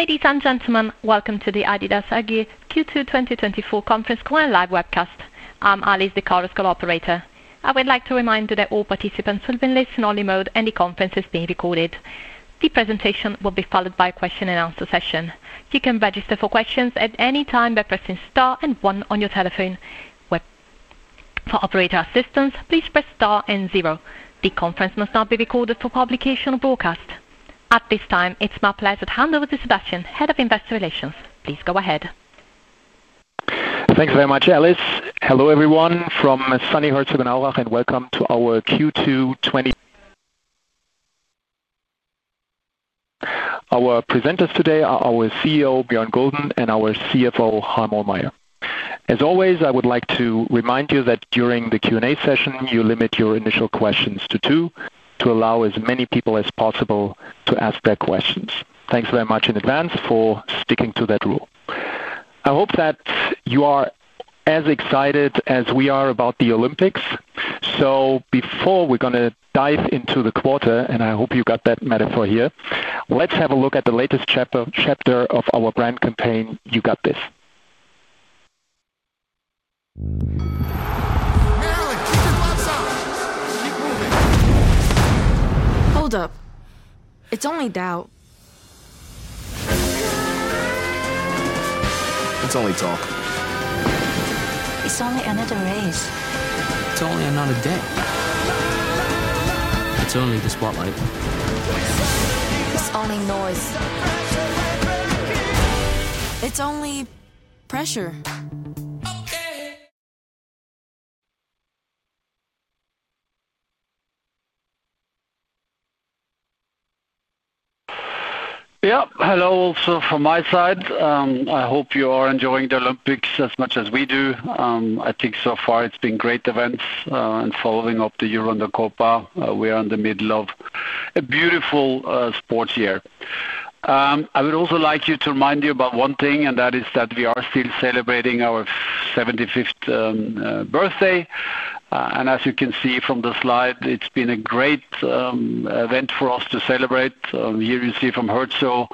Ladies and gentlemen, welcome to the Adidas AG Q2 2024 Conference Call Live webcast. I'm Alice, the call co-operator. I would like to remind you that all participants will be in listen-only mode, and the conference is being recorded. The presentation will be followed by a question-and-answer session. You can register for questions at any time by pressing star and 1 on your telephone. For operator assistance, please press star and 0. The conference must not be recorded for publication or broadcast. At this time, it's my pleasure to hand over to Sebastian, Head of Investor Relations. Please go ahead. Thanks very much, Alice. Hello, everyone, from sunny heights of Herzogenaurach, and welcome to our Q2. Our presenters today are our CEO, Bjørn Gulden; and our CFO, Harm Ohlmeyer. As always, I would like to remind you that during the Q&A session, you limit your initial questions to two, to allow as many people as possible to ask their questions. Thanks very much in advance for sticking to that rule. I hope that you are as excited as we are about the Olympics. So before we're going to dive into the quarter, and I hope you got that metaphor here, let's have a look at the latest chapter of our brand campaign, You Got This. Hold up. It's only doubt. It's only talk. It's only another race. It's only another day. It's only the spotlight. It's only noise. It's only pressure. Yep. Hello, also from my side. I hope you are enjoying the Olympics as much as we do. I think so far it's been great events. Following up the Euro and the Copa, we are in the middle of a beautiful sports year. I would also like to remind you about one thing, and that is that we are still celebrating our 75th birthday. As you can see from the slide, it's been a great event for us to celebrate. Here you see from Herzogenaurach,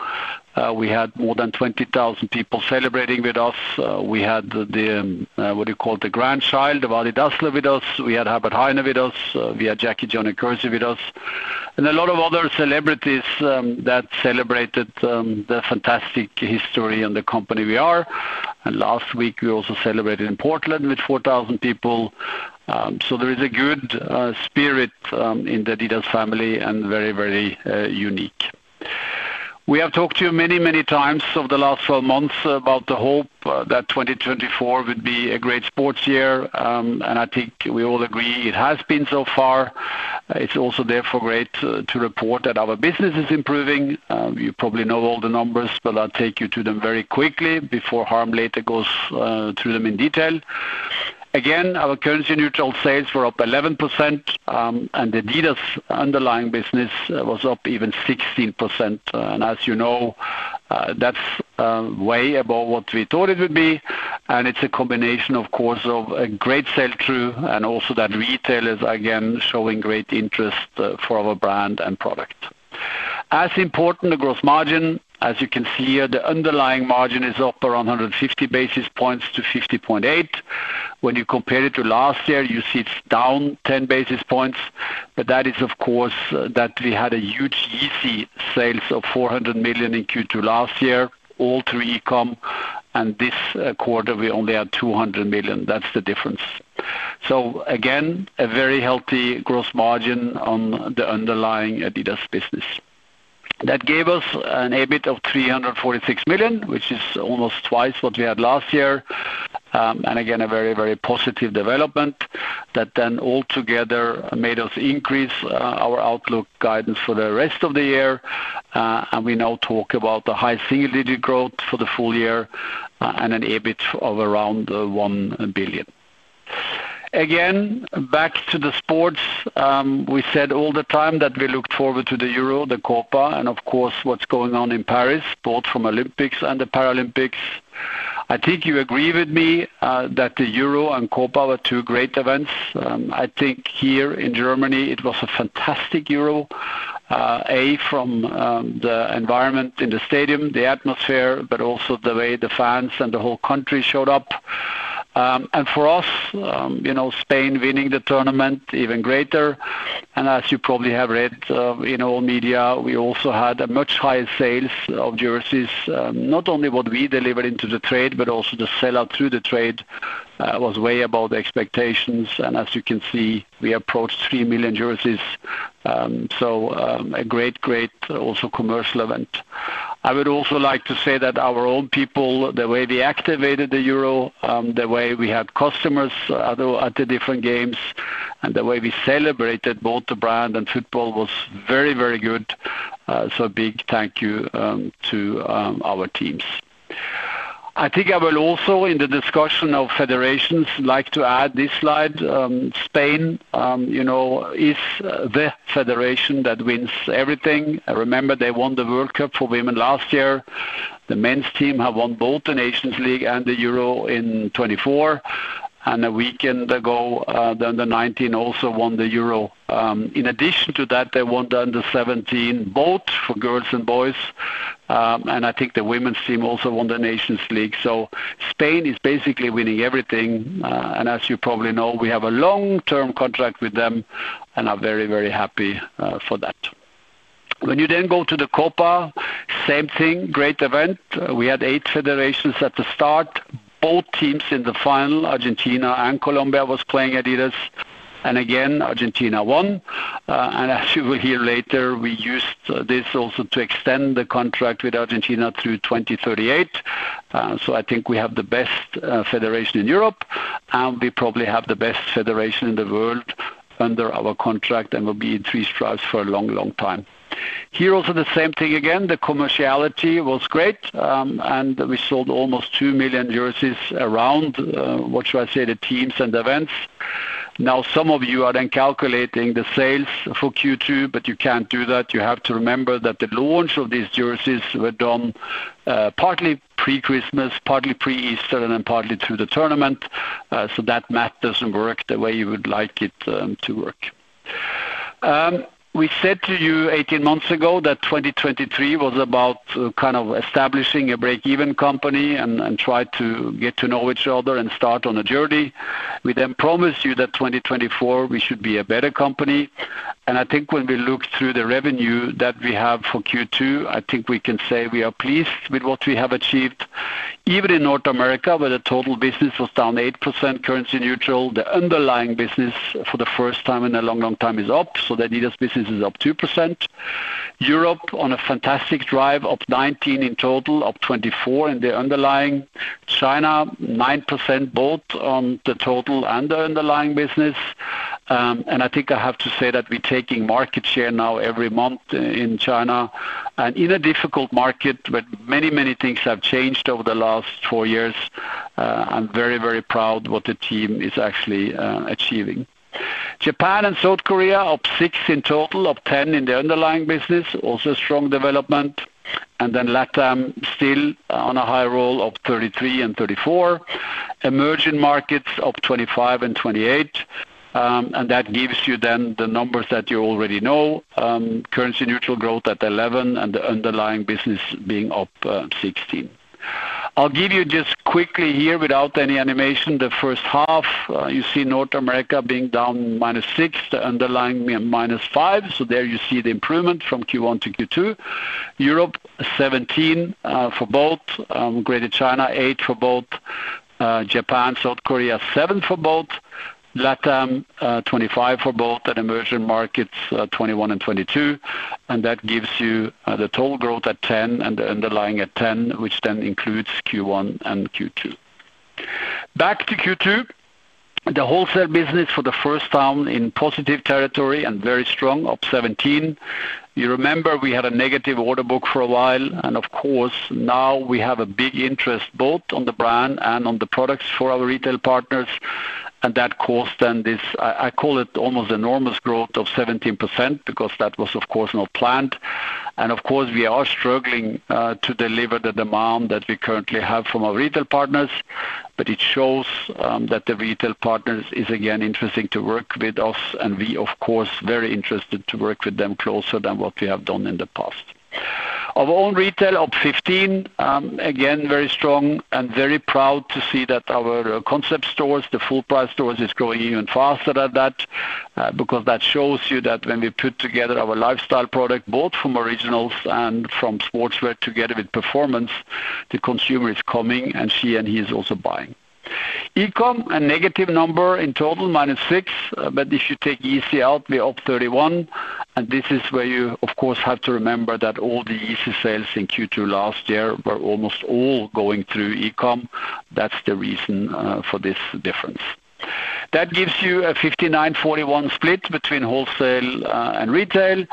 we had more than 20,000 people celebrating with us. We had the, what do you call it, the grandchild of Adi Dassler with us. We had Herbert Hainer with us. We had Jackie Joyner-Kersee with us. And a lot of other celebrities that celebrated the fantastic history and the company we are. Last week, we also celebrated in Portland with 4,000 people. There is a good spirit in the Adidas family and very, very unique. We have talked to you many, many times over the last 12 months about the hope that 2024 would be a great sports year. I think we all agree it has been so far. It's also therefore great to report that our business is improving. You probably know all the numbers, but I'll take you to them very quickly before Harm later goes through them in detail. Again, our currency-neutral sales were up 11%, and the Adidas underlying business was up even 16%. As you know, that's way above what we thought it would be. It's a combination, of course, of a great sell-through and also that retailers, again, showing great interest for our brand and product. As important, the gross margin. As you can see here, the underlying margin is up around 150 basis points to 50.8%. When you compare it to last year, you see it's down 10 basis points. But that is, of course, that we had a huge Yeezy sales of 400 million in Q2 last year, all through e-com. And this quarter, we only had 200 million. That's the difference. So again, a very healthy gross margin on the underlying Adidas business. That gave us an EBIT of 346 million, which is almost twice what we had last year. And again, a very, very positive development that then altogether made us increase our outlook guidance for the rest of the year. And we now talk about a high single-digit growth for the full year and an EBIT of around 1 billion. Again, back to the sports. We said all the time that we looked forward to the Euro, the Copa, and of course, what's going on in Paris, both from Olympics and the Paralympics. I think you agree with me that the Euro and Copa were two great events. I think here in Germany, it was a fantastic Euro. A, from the environment in the stadium, the atmosphere, but also the way the fans and the whole country showed up. And for us, Spain winning the tournament, even greater. And as you probably have read in all media, we also had a much higher sales of jerseys. Not only what we delivered into the trade, but also the sellout through the trade was way above expectations. And as you can see, we approached 3 million jerseys. So a great, great also commercial event. I would also like to say that our own people, the way we activated the Euro, the way we had customers at the different games, and the way we celebrated both the brand and football was very, very good. So a big thank you to our teams. I think I will also, in the discussion of federations, like to add this slide. Spain is the federation that wins everything. I remember they won the World Cup for women last year. The men's team have won both the Nations League and the Euro in 2024. And a weekend ago, the Under-19 also won the Euro. In addition to that, they won the Under-17 both for girls and boys. And I think the women's team also won the Nations League. So Spain is basically winning everything. As you probably know, we have a long-term contract with them and are very, very happy for that. When you then go to the Copa, same thing, great event. We had 8 federations at the start. Both teams in the final, Argentina and Colombia, were playing Adidas. And again, Argentina won. And as you will hear later, we used this also to extend the contract with Argentina through 2038. So I think we have the best federation in Europe. And we probably have the best federation in the world under our contract and will be in three stripes for a long, long time. Here also, the same thing again, the commerciality was great. And we sold almost 2 million jerseys, around, what should I say, the teams and events. Now, some of you are then calculating the sales for Q2, but you can't do that. You have to remember that the launch of these jerseys were done partly pre-Christmas, partly pre-Easter, and then partly through the tournament. That math doesn't work the way you would like it to work. We said to you 18 months ago that 2023 was about kind of establishing a break-even company and try to get to know each other and start on a journey. We then promised you that 2024, we should be a better company. I think when we look through the revenue that we have for Q2, I think we can say we are pleased with what we have achieved. Even in North America, where the total business was down 8%, currency neutral, the underlying business for the first time in a long, long time is up. The Adidas business is up 2%. Europe, on a fantastic drive, up 19% in total, up 24% in the underlying. China, 9% both on the total and the underlying business. And I think I have to say that we're taking market share now every month in China. And in a difficult market where many, many things have changed over the last four years, I'm very, very proud of what the team is actually achieving. Japan and South Korea, up 6% in total, up 10% in the underlying business, also strong development. And then LATAM still on a high roll, up 33% and 34%. Emerging Markets, up 25% and 28%. And that gives you then the numbers that you already know. Currency neutral growth at 11% and the underlying business being up 16%. I'll give you just quickly here, without any animation, the first half. You see North America being down -6%, the underlying -5%. So there you see the improvement from Q1 to Q2. Europe, 17% for both. Greater China, 8% for both. Japan, South Korea, 7% for both. LATAM, 25% for both, and emerging markets, 21% and 22%. And that gives you the total growth at 10% and the underlying at 10%, which then includes Q1 and Q2. Back to Q2. The wholesale business for the first time in positive territory and very strong, up 17%. You remember we had a negative order book for a while. And of course, now we have a big interest both on the brand and on the products for our retail partners. And that caused then this, I call it almost enormous growth of 17% because that was, of course, not planned. And of course, we are struggling to deliver the demand that we currently have from our retail partners. But it shows that the retail partners are, again, interested to work with us. And we, of course, very interested to work with them closer than what we have done in the past. Our own retail, up 15. Again, very strong and very proud to see that our concept stores, the full-price stores, is growing even faster than that. Because that shows you that when we put together our Lifestyle product, both from Originals and from Sportswear together with Performance, the consumer is coming and she and he is also buying. E-com, a negative number in total, minus 6. But if you take Yeezy out, we're up 31. And this is where you, of course, have to remember that all the Yeezy sales in Q2 last year were almost all going through e-com. That's the reason for this difference. That gives you a 59-41 split between wholesale and retail.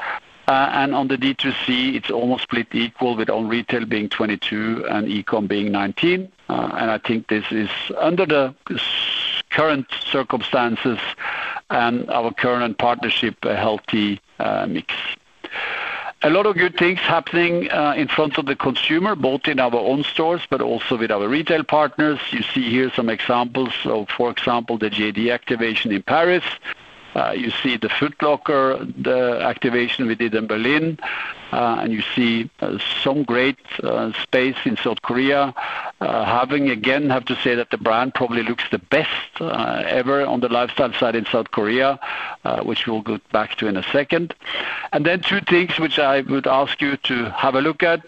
On the DTC, it's almost split equal, with own retail being 22% and e-com being 19%. I think this is under the current circumstances and our current partnership, a healthy mix. A lot of good things happening in front of the consumer, both in our own stores, but also with our retail partners. You see here some examples of, for example, the JD activation in Paris. You see the Foot Locker activation we did in Berlin. You see some great space in South Korea. Having, again, to say that the brand probably looks the best ever on the lifestyle side in South Korea, which we'll get back to in a second. Then two things which I would ask you to have a look at.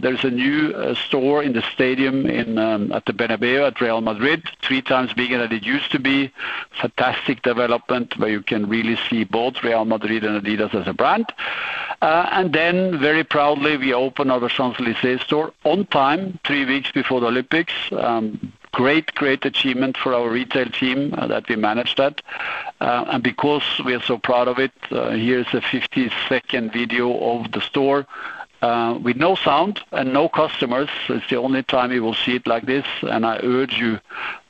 There's a new store in the stadium at the Bernabéu at Real Madrid, three times bigger than it used to be. Fantastic development where you can really see both Real Madrid and Adidas as a brand. Then very proudly, we open our Champs-Élysées store on time, three weeks before the Olympics. Great, great achievement for our retail team that we managed that. Because we are so proud of it, here's a 50-second video of the store with no sound and no customers. It's the only time you will see it like this. I urge you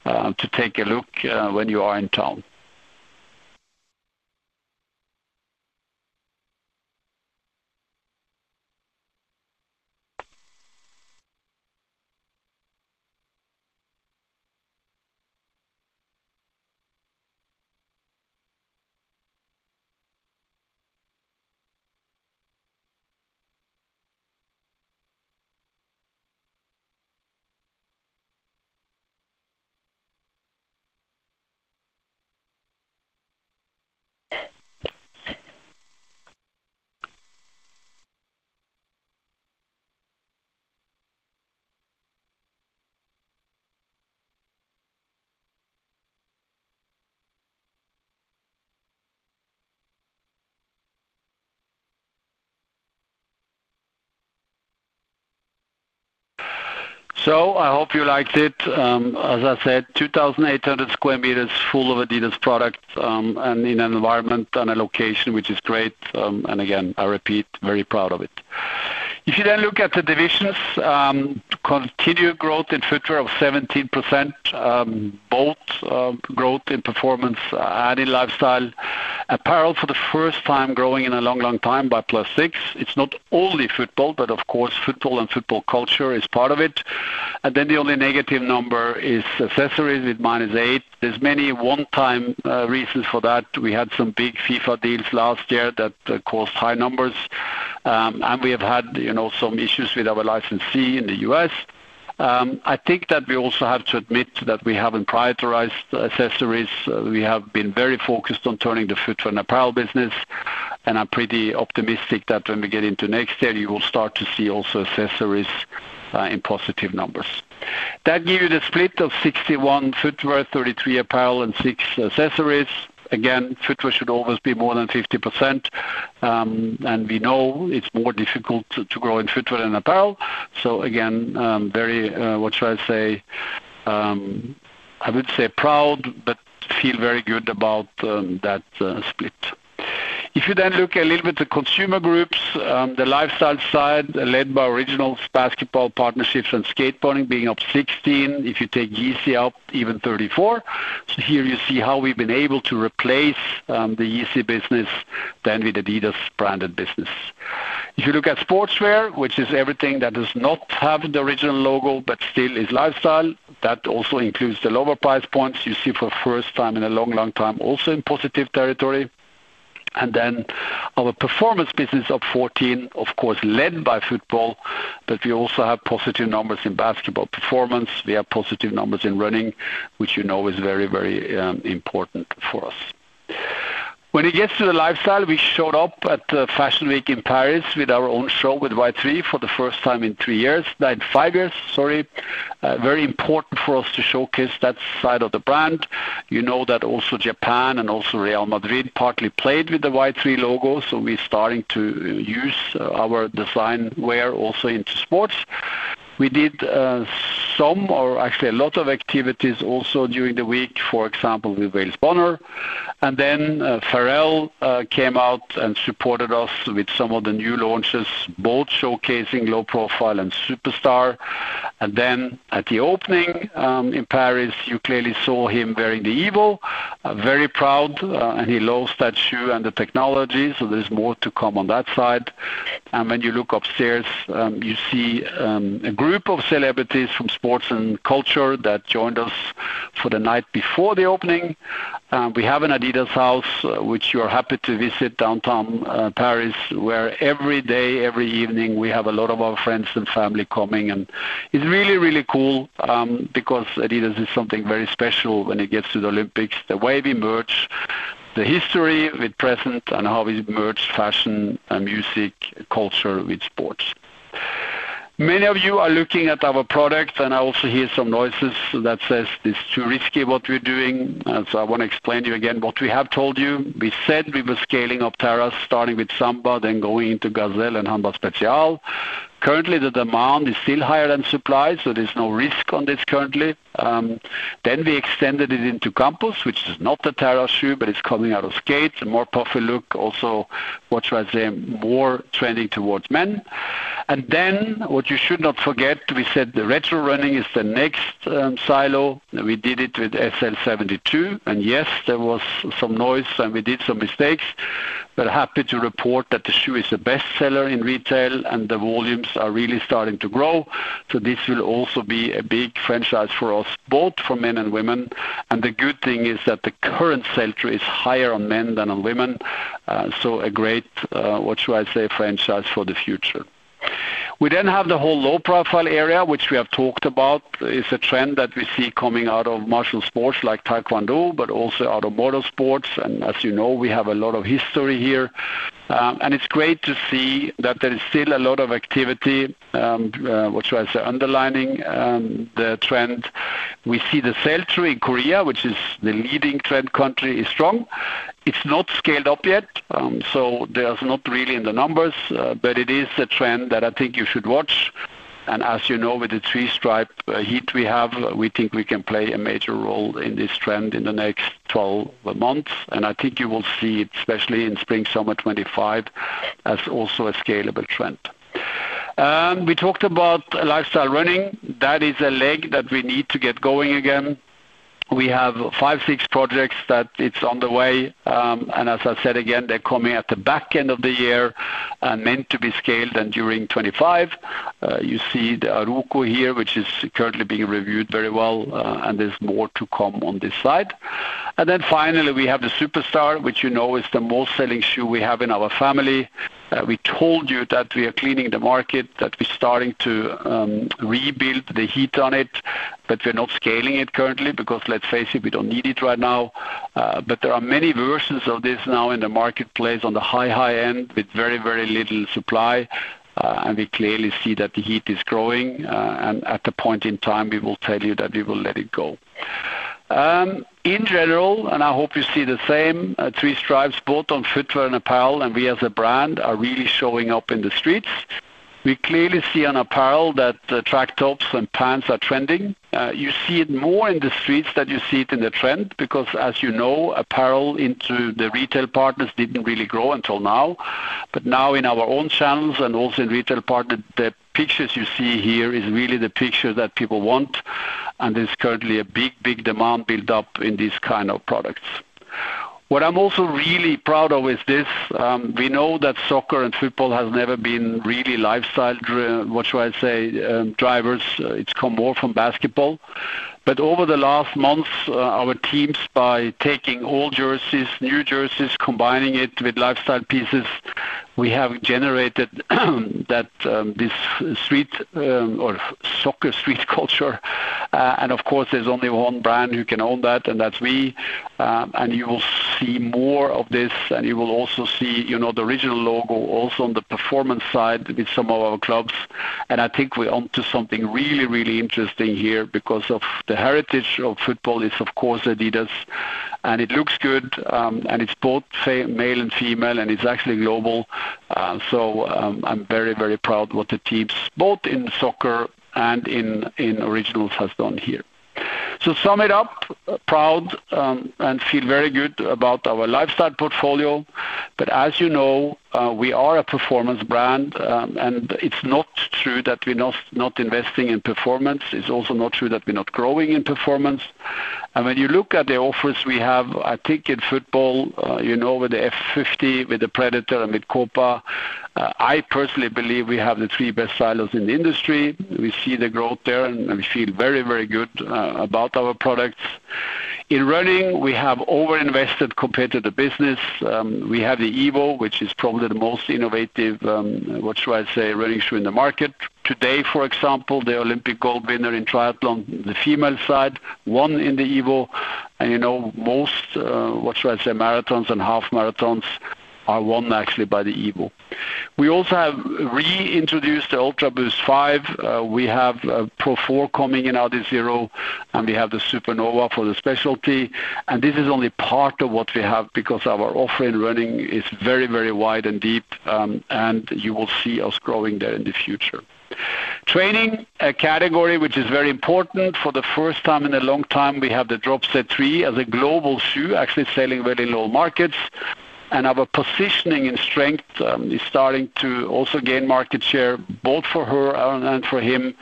to take a look when you are in town. I hope you liked it. As I said, 2,800 sq m full of Adidas product and in an environment and a location, which is great. Again, I repeat, very proud of it. If you then look at the divisions, continue growth in footwear of 17%, both growth in performance, adding lifestyle apparel for the first time growing in a long, long time by +6%. It's not only football, but of course, football and football culture is part of it. And then the only negative number is accessories with -8%. There's many one-time reasons for that. We had some big FIFA deals last year that caused high numbers. And we have had some issues with our licensee in the U.S. I think that we also have to admit that we haven't prioritized accessories. We have been very focused on turning the footwear and apparel business. And I'm pretty optimistic that when we get into next year, you will start to see also accessories in positive numbers. That gives you the split of 61% footwear, 33% apparel, and 6% accessories. Again, footwear should always be more than 50%. And we know it's more difficult to grow in footwear than apparel. So again, very, what should I say, I would say proud, but feel very good about that split. If you then look a little bit at consumer groups, the lifestyle side led by Originals basketball partnerships and skateboarding being up 16%. If you take Yeezy out, even 34%. So here you see how we've been able to replace the Yeezy business then with Adidas branded business. If you look at sportswear, which is everything that does not have the Originals logo but still is lifestyle, that also includes the lower price points. You see for the first time in a long, long time also in positive territory. And then our performance business up 14%, of course, led by football, but we also have positive numbers in basketball performance. We have positive numbers in running, which you know is very, very important for us. When it gets to the lifestyle, we showed up at the Fashion Week in Paris with our own show with Y-3 for the first time in three years. Five years, sorry. Very important for us to showcase that side of the brand. You know that also Japan and also Real Madrid partly played with the Y-3 logo. So we're starting to use our design wear also into sports. We did some, or actually a lot of activities also during the week, for example, with Wales Bonner. And then Pharrell came out and supported us with some of the new launches, both showcasing Low Profile and Superstar. And then at the opening in Paris, you clearly saw him wearing the Evo. Very proud. And he loves that shoe and the technology. So there's more to come on that side. And when you look upstairs, you see a group of celebrities from sports and culture that joined us for the night before the opening. We have an Adidas house, which you are happy to visit downtown Paris, where every day, every evening, we have a lot of our friends and family coming. And it's really, really cool because Adidas is something very special when it gets to the Olympics. The way we merge the history with present and how we merge fashion and music culture with sports. Many of you are looking at our products, and I also hear some noises that say this is too risky what we're doing. So I want to explain to you again what we have told you. We said we were scaling up Terrace, starting with Samba, then going into Gazelle and Handball Spezial. Currently, the demand is still higher than supply, so there's no risk on this currently. Then we extended it into Campus, which is not the Terrace shoe, but it's coming out of skates. A more puffy look, also, what should I say, more trending towards men. And then what you should not forget, we said the retro running is the next silo. We did it with SL72. And yes, there was some noise and we did some mistakes. But happy to report that the shoe is a bestseller in retail and the volumes are really starting to grow. So this will also be a big franchise for us, both for men and women. And the good thing is that the current sell through is higher on men than on women. So a great, what should I say, franchise for the future. We then have the whole low-profile area, which we have talked about. It's a trend that we see coming out of martial sports like Taekwondo, but also out of motorsports. And as you know, we have a lot of history here. And it's great to see that there is still a lot of activity, what should I say, underlining the trend. We see the Sambas in Korea, which is the leading trend country, is strong. It's not scaled up yet, so there's not really in the numbers, but it is a trend that I think you should watch. And as you know, with the three-stripe heritage we have, we think we can play a major role in this trend in the next 12 months. And I think you will see it, especially in spring/summer 2025, as also a scalable trend. We talked about lifestyle running. That is a leg that we need to get going again. We have 5, 6 projects that it's on the way. And as I said again, they're coming at the back end of the year and meant to be scaled and during 2025. You see the Aruku here, which is currently being reviewed very well, and there's more to come on this side. And then finally, we have the Superstar, which you know is the most selling shoe we have in our family. We told you that we are cleaning the market, that we're starting to rebuild the heat on it, but we're not scaling it currently because let's face it, we don't need it right now. But there are many versions of this now in the marketplace on the high, high end with very, very little supply. And we clearly see that the heat is growing. At the point in time, we will tell you that we will let it go. In general, and I hope you see the same, three stripes, both on footwear and apparel, and we as a brand are really showing up in the streets. We clearly see on apparel that track tops and pants are trending. You see it more in the streets than you see it in the trend because, as you know, apparel into the retail partners didn't really grow until now. But now in our own channels and also in retail partners, the pictures you see here is really the picture that people want. And there's currently a big, big demand built up in these kind of products. What I'm also really proud of is this. We know that soccer and football have never been really lifestyle, what should I say, drivers. It's come more from basketball. But over the last months, our teams, by taking old jerseys, new jerseys, combining it with lifestyle pieces, we have generated this street or soccer street culture. And of course, there's only one brand who can own that, and that's we. And you will see more of this, and you will also see the original logo also on the performance side with some of our clubs. And I think we're on to something really, really interesting here because of the heritage of football is, of course, Adidas. And it looks good, and it's both male and female, and it's actually global. So I'm very, very proud of what the teams, both in soccer and in originals, have done here. So sum it up, proud and feel very good about our lifestyle portfolio. But as you know, we are a performance brand, and it's not true that we're not investing in performance. It's also not true that we're not growing in performance. And when you look at the offers we have, I think in football, you know, with the F50, with the Predator, and with Copa, I personally believe we have the three best silos in the industry. We see the growth there, and we feel very, very good about our products. In running, we have overinvested compared to the business. We have the Evo, which is probably the most innovative, what should I say, running shoe in the market. Today, for example, the Olympic gold winner in triathlon, the female side, won in the Evo. And you know, most, what should I say, marathons and half marathons are won actually by the Evo. We also have reintroduced the Ultraboost 5. We have Pro 4 coming in Adizero, and we have the Supernova for the specialty. This is only part of what we have because our offer in running is very, very wide and deep, and you will see us growing there in the future. Training, a category which is very important. For the first time in a long time, we have the Dropset 3 as a global shoe, actually selling well in all markets. Our positioning and strength is starting to also gain market share, both for her and for him.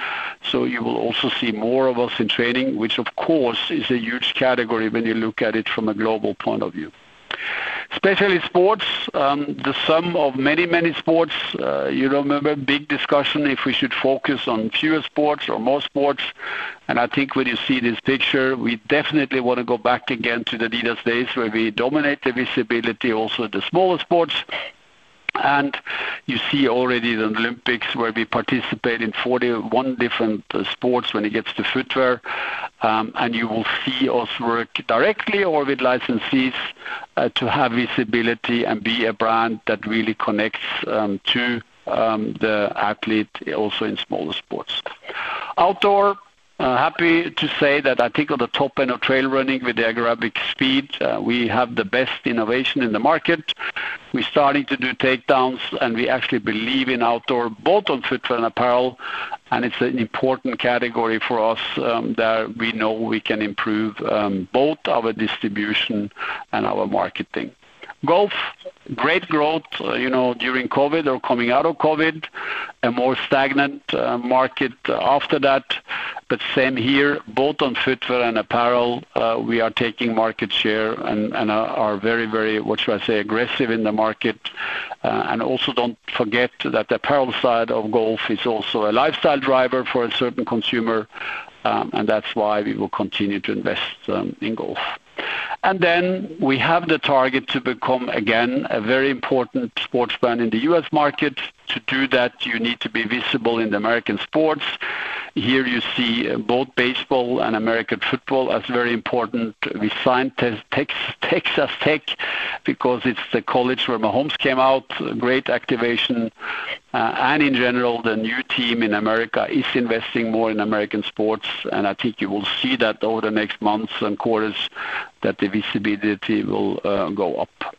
You will also see more of us in training, which of course is a huge category when you look at it from a global point of view. Specialty sports, the sum of many, many sports. You remember a big discussion if we should focus on fewer sports or more sports. I think when you see this picture, we definitely want to go back again to the Adidas days where we dominate the visibility, also the smaller sports. You see already the Olympics where we participate in 41 different sports when it gets to footwear. You will see us work directly or with licensees to have visibility and be a brand that really connects to the athlete also in smaller sports. Outdoor, happy to say that I think on the top end of trail running with the Terrex Agravic Speed, we have the best innovation in the market. We're starting to do takedowns, and we actually believe in outdoor, both on footwear and apparel. It's an important category for us that we know we can improve both our distribution and our marketing. Golf, great growth during COVID or coming out of COVID, a more stagnant market after that. But same here, both on footwear and apparel, we are taking market share and are very, very, what should I say, aggressive in the market. And also don't forget that the apparel side of golf is also a lifestyle driver for a certain consumer. And that's why we will continue to invest in golf. And then we have the target to become again a very important sports brand in the US market. To do that, you need to be visible in the American sports. Here you see both baseball and American football as very important. We signed Texas Tech because it's the college where Mahomes came out, great activation. And in general, the new team in America is investing more in American sports. And I think you will see that over the next months and quarters that the visibility will go up.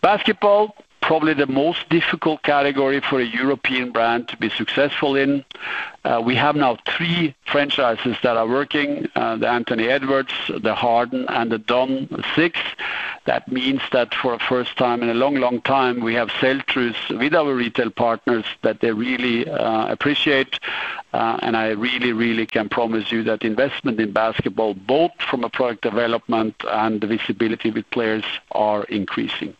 Basketball, probably the most difficult category for a European brand to be successful in. We have now three franchises that are working, the Anthony Edwards, the Harden, and the D.O.N. 6. That means that for a first time in a long, long time, we have sell-throughs with our retail partners that they really appreciate. And I really, really can promise you that investment in basketball, both from a product development and the visibility with players, are increasing.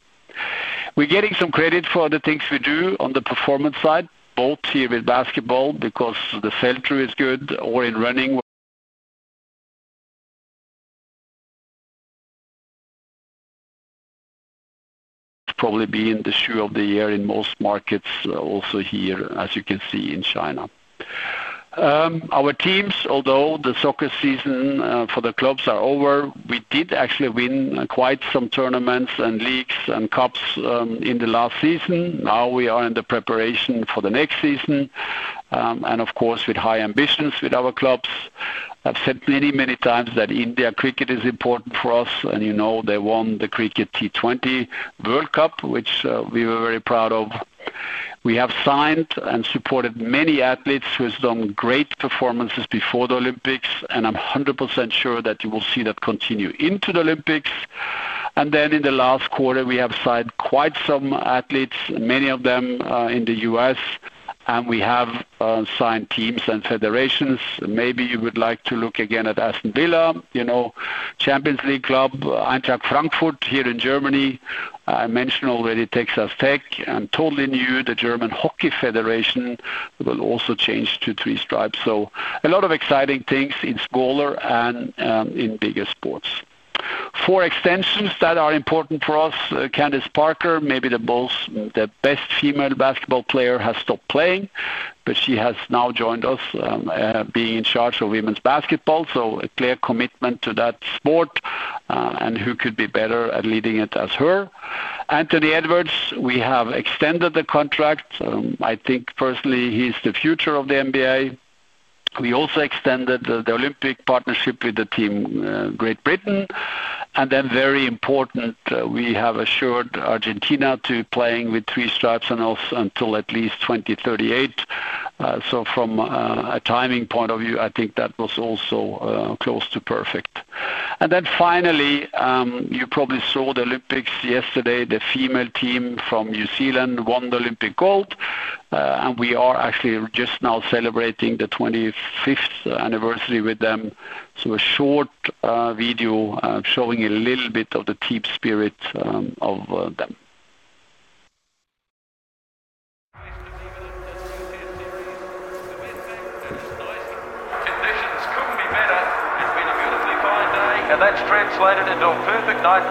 We're getting some credit for the things we do on the performance side, both here with basketball because the sell-through is good or in running. It's probably been the shoe of the year in most markets also here, as you can see in China. Our teams, although the soccer season for the clubs is over, we did actually win quite some tournaments and leagues and cups in the last season. Now we are in the preparation for the next season. Of course, with high ambitions with our clubs. I've said many, many times that India cricket is important for us. And you know they won the cricket T20 World Cup, which we were very proud of. We have signed and supported many athletes who have done great performances before the Olympics. And I'm 100% sure that you will see that continue into the Olympics. And then in the last quarter, we have signed quite some athletes, many of them in the US. And we have signed teams and federations. Maybe you would like to look again at Aston Villa, you know, Champions League club, Eintracht Frankfurt here in Germany. I mentioned already Texas Tech. And totally new, the German hockey federation will also change to three stripes. So a lot of exciting things in smaller and in bigger sports. Four extensions that are important for us. Candace Parker, maybe the best female basketball player, has stopped playing, but she has now joined us being in charge of women's basketball. So a clear commitment to that sport. And who could be better at leading it as her? Anthony Edwards, we have extended the contract. I think personally he's the future of the NBA. We also extended the Olympic partnership with the team Great Britain. And then very important, we have assured Argentina to be playing with three stripes and also until at least 2038. So from a timing point of view, I think that was also close to perfect. And then finally, you probably saw the Olympics yesterday. The female team from New Zealand won the Olympic gold. And we are actually just now celebrating the 25th anniversary with them. So a short video showing a little bit of the team spirit of them. Conditions couldn't be better. It's been a beautifully fine day, and that's translated into a perfect night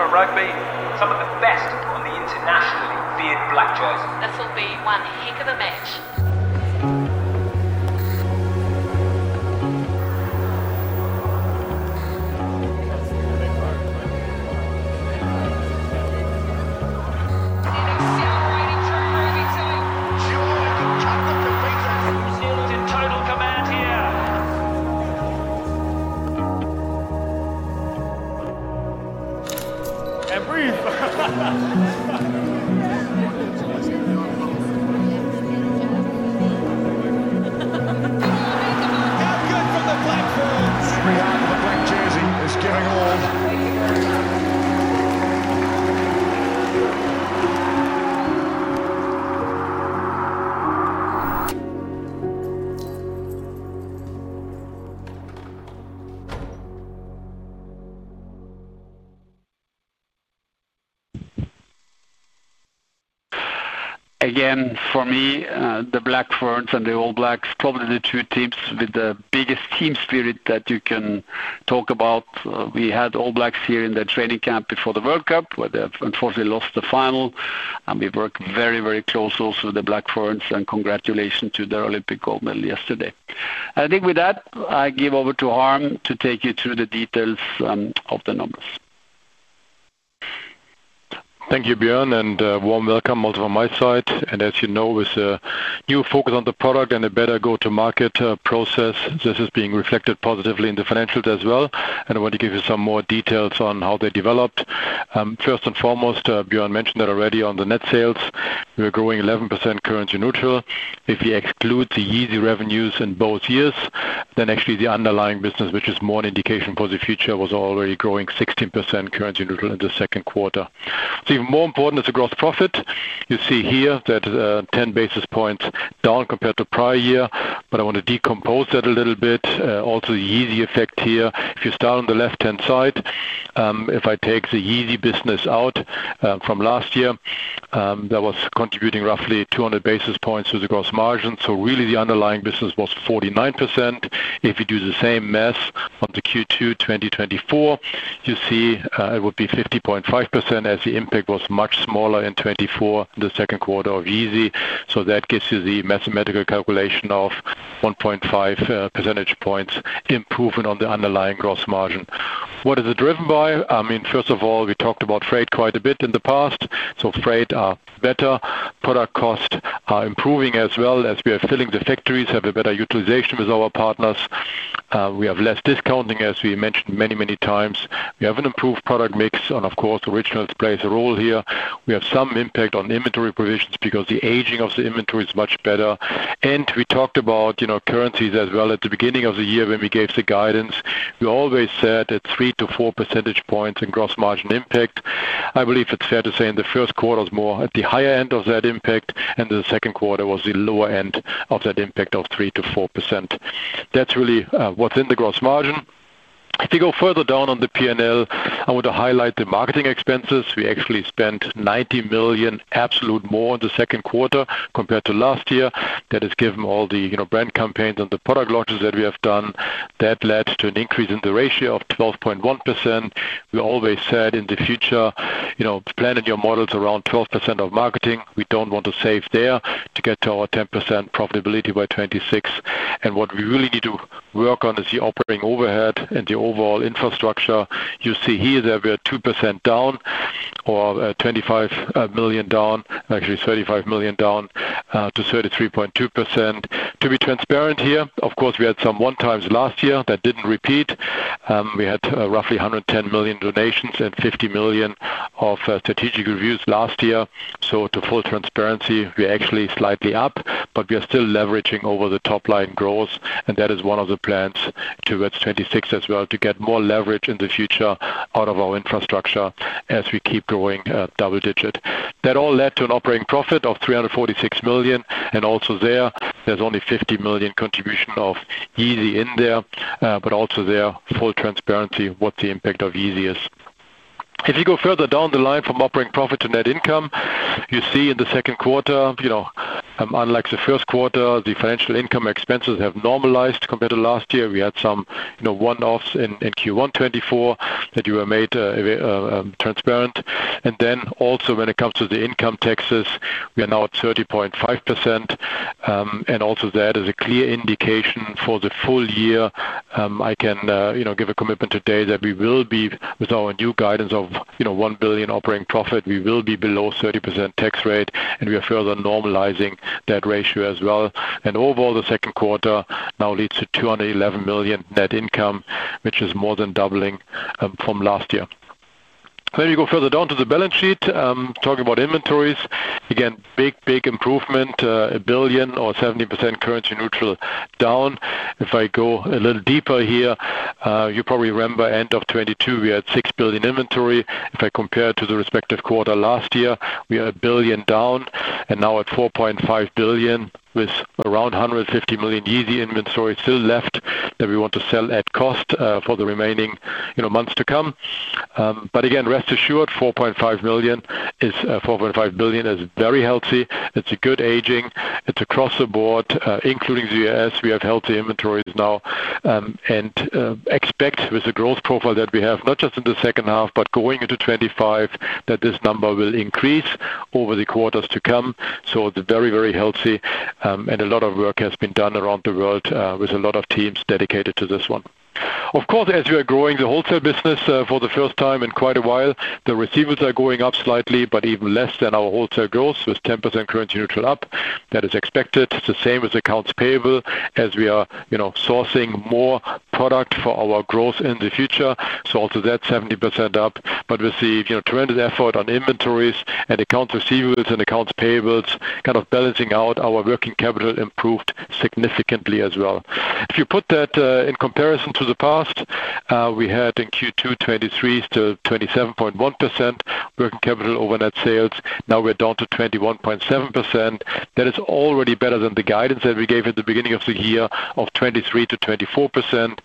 for rugby. Some of the best on the internationally feared All Blacks. This will be one heck of a match. New Zealand's celebrating through rugby too. Join the club of the defeated. New Zealand in total command here. And breathe. Have a go from the Black Ferns. The All Blacks are giving all. Again, for me, the Black Ferns and the All Blacks, probably the two teams with the biggest team spirit that you can talk about. We had All Blacks here in the training camp before the World Cup, where they unfortunately lost the final. We worked very, very close also with the Black Ferns. Congratulations to their Olympic gold medal yesterday. I think with that, I give over to Harm to take you through the details of the numbers. Thank you, Bjørn, and warm welcome also from my side. As you know, with a new focus on the product and a better go-to-market process, this is being reflected positively in the financials as well. I want to give you some more details on how they developed. First and foremost, Bjørn mentioned that already on the net sales, we're growing 11% currency neutral. If we exclude the yeezy revenues in both years, then actually the underlying business, which is more an indication for the future, was already growing 16% currency neutral in the second quarter. Even more important is the gross profit. You see here that 10 basis points down compared to prior year. I want to decompose that a little bit. Also, the Yeezy effect here, if you start on the left-hand side, if I take the Yeezy business out from last year, that was contributing roughly 200 basis points to the gross margin. So really, the underlying business was 49%. If you do the same math on the Q2 2024, you see it would be 50.5% as the impact was much smaller in 2024, the second quarter of Yeezy. So that gives you the mathematical calculation of 1.5 percentage points improvement on the underlying gross margin. What is it driven by? I mean, first of all, we talked about freight quite a bit in the past. So freight are better. Product costs are improving as well as we are filling the factories, have a better utilization with our partners. We have less discounting, as we mentioned many, many times. We have an improved product mix. Of course, Originals plays a role here. We have some impact on inventory provisions because the aging of the inventory is much better. We talked about currencies as well at the beginning of the year when we gave the guidance. We always said that 3-4 percentage points in gross margin impact. I believe it's fair to say in the first quarter was more at the higher end of that impact, and the second quarter was the lower end of that impact of 3%-4%. That's really what's in the gross margin. If you go further down on the P&L, I want to highlight the marketing expenses. We actually spent 90 million absolute more in the second quarter compared to last year. That has given all the brand campaigns and the product launches that we have done. That led to an increase in the ratio of 12.1%. We always said in the future, planning your models around 12% of marketing. We don't want to save there to get to our 10% profitability by 2026. And what we really need to work on is the operating overhead and the overall infrastructure. You see here that we are 2% down or 25 million down, actually 35 million down to 33.2%. To be transparent here, of course, we had some one-times last year that didn't repeat. We had roughly 110 million donations and 50 million of strategic reviews last year. So to full transparency, we're actually slightly up, but we are still leveraging over the top line growth. And that is one of the plans towards 2026 as well to get more leverage in the future out of our infrastructure as we keep growing double-digit. That all led to an operating profit of 346 million. Also there, there's only 50 million contribution of Yeezy in there. But also there, full transparency what the impact of Yeezy is. If you go further down the line from operating profit to net income, you see in the second quarter, unlike the first quarter, the financial income expenses have normalized compared to last year. We had some one-offs in Q1 2024 that you were made transparent. Then also when it comes to the income taxes, we are now at 30.5%. Also that is a clear indication for the full year. I can give a commitment today that we will be with our new guidance of 1 billion operating profit. We will be below 30% tax rate. We are further normalizing that ratio as well. Overall, the second quarter now leads to 211 million net income, which is more than doubling from last year. So if you go further down to the balance sheet, talking about inventories, again, big, big improvement, 1 billion or 70% currency neutral down. If I go a little deeper here, you probably remember end of 2022, we had 6 billion inventory. If I compare it to the respective quarter last year, we are 1 billion down and now at 4.5 billion with around 150 million Yeezy inventory still left that we want to sell at cost for the remaining months to come. But again, rest assured, 4.5 million is 4.5 billion is very healthy. It's a good aging. It's across the board, including the US. We have healthy inventories now. And expect with the growth profile that we have, not just in the second half, but going into 2025, that this number will increase over the quarters to come. So it's very, very healthy. And a lot of work has been done around the world with a lot of teams dedicated to this one. Of course, as we are growing the wholesale business for the first time in quite a while, the receivables are going up slightly, but even less than our wholesale growth with 10% currency neutral up. That is expected. It's the same as accounts payable as we are sourcing more product for our growth in the future. So also that's 70% up. But we see tremendous effort on inventories and accounts receivables and accounts payables, kind of balancing out. Our working capital improved significantly as well. If you put that in comparison to the past, we had in Q2 2023 still 27.1% working capital over net sales. Now we're down to 21.7%. That is already better than the guidance that we gave at the beginning of the year of 23%-24%.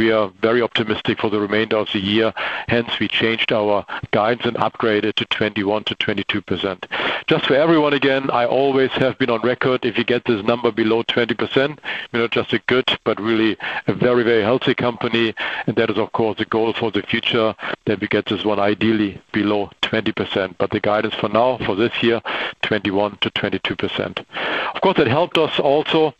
We are very optimistic for the remainder of the year. Hence, we changed our guidance and upgraded to 21%-22%. Just for everyone again, I always have been on record, if you get this number below 20%, we're not just a good, but really a very, very healthy company. That is, of course, the goal for the future that we get this one ideally below 20%. The guidance for now for this year, 21%-22%. Of course, it helped us also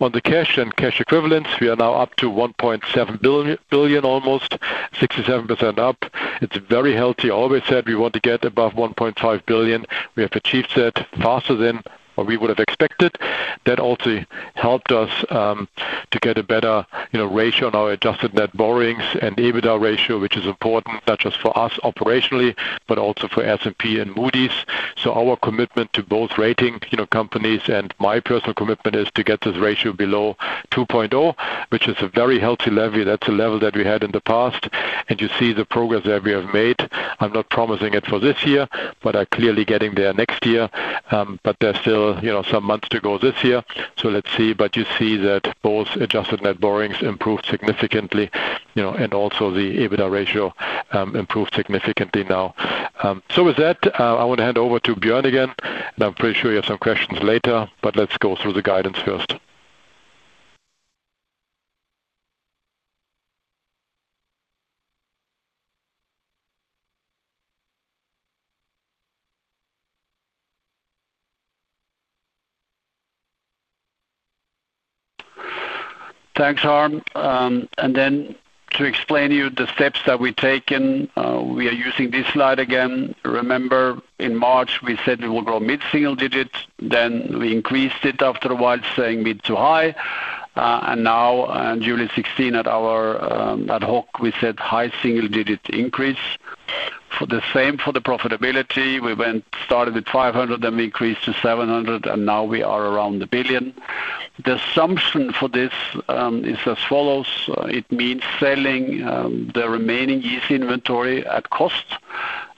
on the cash and cash equivalents. We are now up to 1.7 billion, almost 67% up. It's very healthy. I always said we want to get above 1.5 billion. We have achieved that faster than we would have expected. That also helped us to get a better ratio on our adjusted net borrowings and EBITDA ratio, which is important not just for us operationally, but also for S&P and Moody's. So our commitment to both rating companies and my personal commitment is to get this ratio below 2.0, which is a very healthy level. That's a level that we had in the past. You see the progress that we have made. I'm not promising it for this year, but I'm clearly getting there next year. There's still some months to go this year. So let's see. You see that both adjusted net borrowings improved significantly. And also the EBITDA ratio improved significantly now. So with that, I want to hand over to Bjørn again. And I'm pretty sure you have some questions later. But let's go through the guidance first. Thanks, Harm. And then to explain to you the steps that we've taken, we are using this slide again. Remember, in March, we said we will grow mid-single-digit. Then we increased it after a while saying mid- to high. And now, on July 16 at our ad hoc, we said high single-digit increase. For the same, for the profitability, we started with 500 million, then we increased to 700 million, and now we are around 1 billion. The assumption for this is as follows. It means selling the remaining yeezy inventory at cost.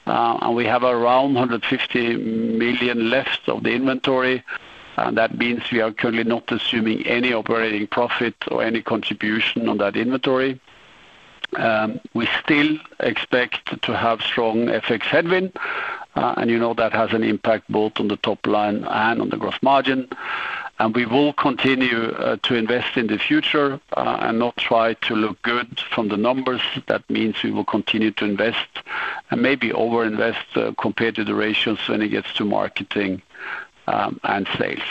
And we have around 150 million left of the inventory. And that means we are currently not assuming any operating profit or any contribution on that inventory. We still expect to have strong FX headwind. You know that has an impact both on the top line and on the gross margin. We will continue to invest in the future and not try to look good from the numbers. That means we will continue to invest and maybe overinvest compared to the ratios when it gets to marketing and sales.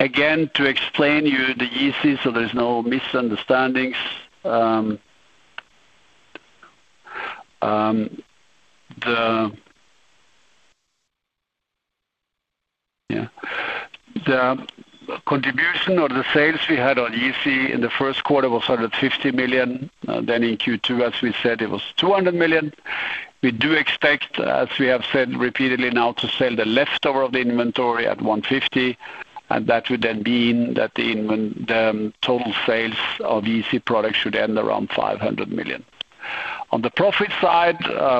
Again, to explain to you the Yeezy so there's no misunderstandings. The contribution or the sales we had on Yeezy in the first quarter was 150 million. Then in Q2, as we said, it was 200 million. We do expect, as we have said repeatedly now, to sell the leftover of the inventory at 150 million. And that would then mean that the total sales of Yeezy product should end around 500 million. On the profit side,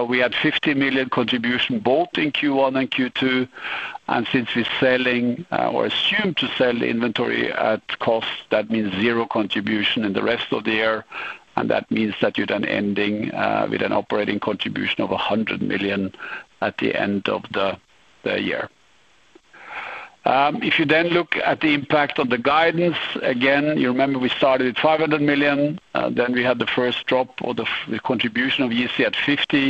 we had 50 million contribution both in Q1 and Q2. Since we're selling or assume to sell the inventory at cost, that means zero contribution in the rest of the year. That means that you're then ending with an operating contribution of 100 million at the end of the year. If you then look at the impact on the guidance, again, you remember we started at 500 million. We had the first drop of the contribution of Yeezy at 50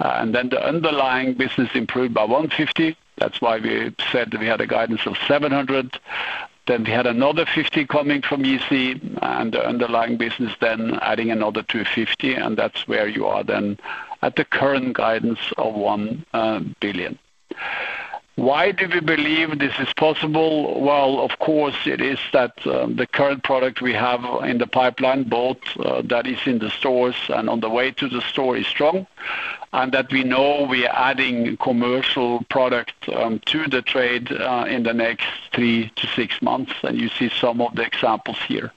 million. The underlying business improved by 150 million. That's why we said that we had a guidance of 700 million. We had another 50 million coming from Yeezy. The underlying business then adding another 250 million. That's where you are then at the current guidance of 1 billion. Why do we believe this is possible? Well, of course, it is that the current product we have in the pipeline, both that is in the stores and on the way to the store, is strong. That we know we are adding commercial product to the trade in the next three to six months. You see some of the examples here.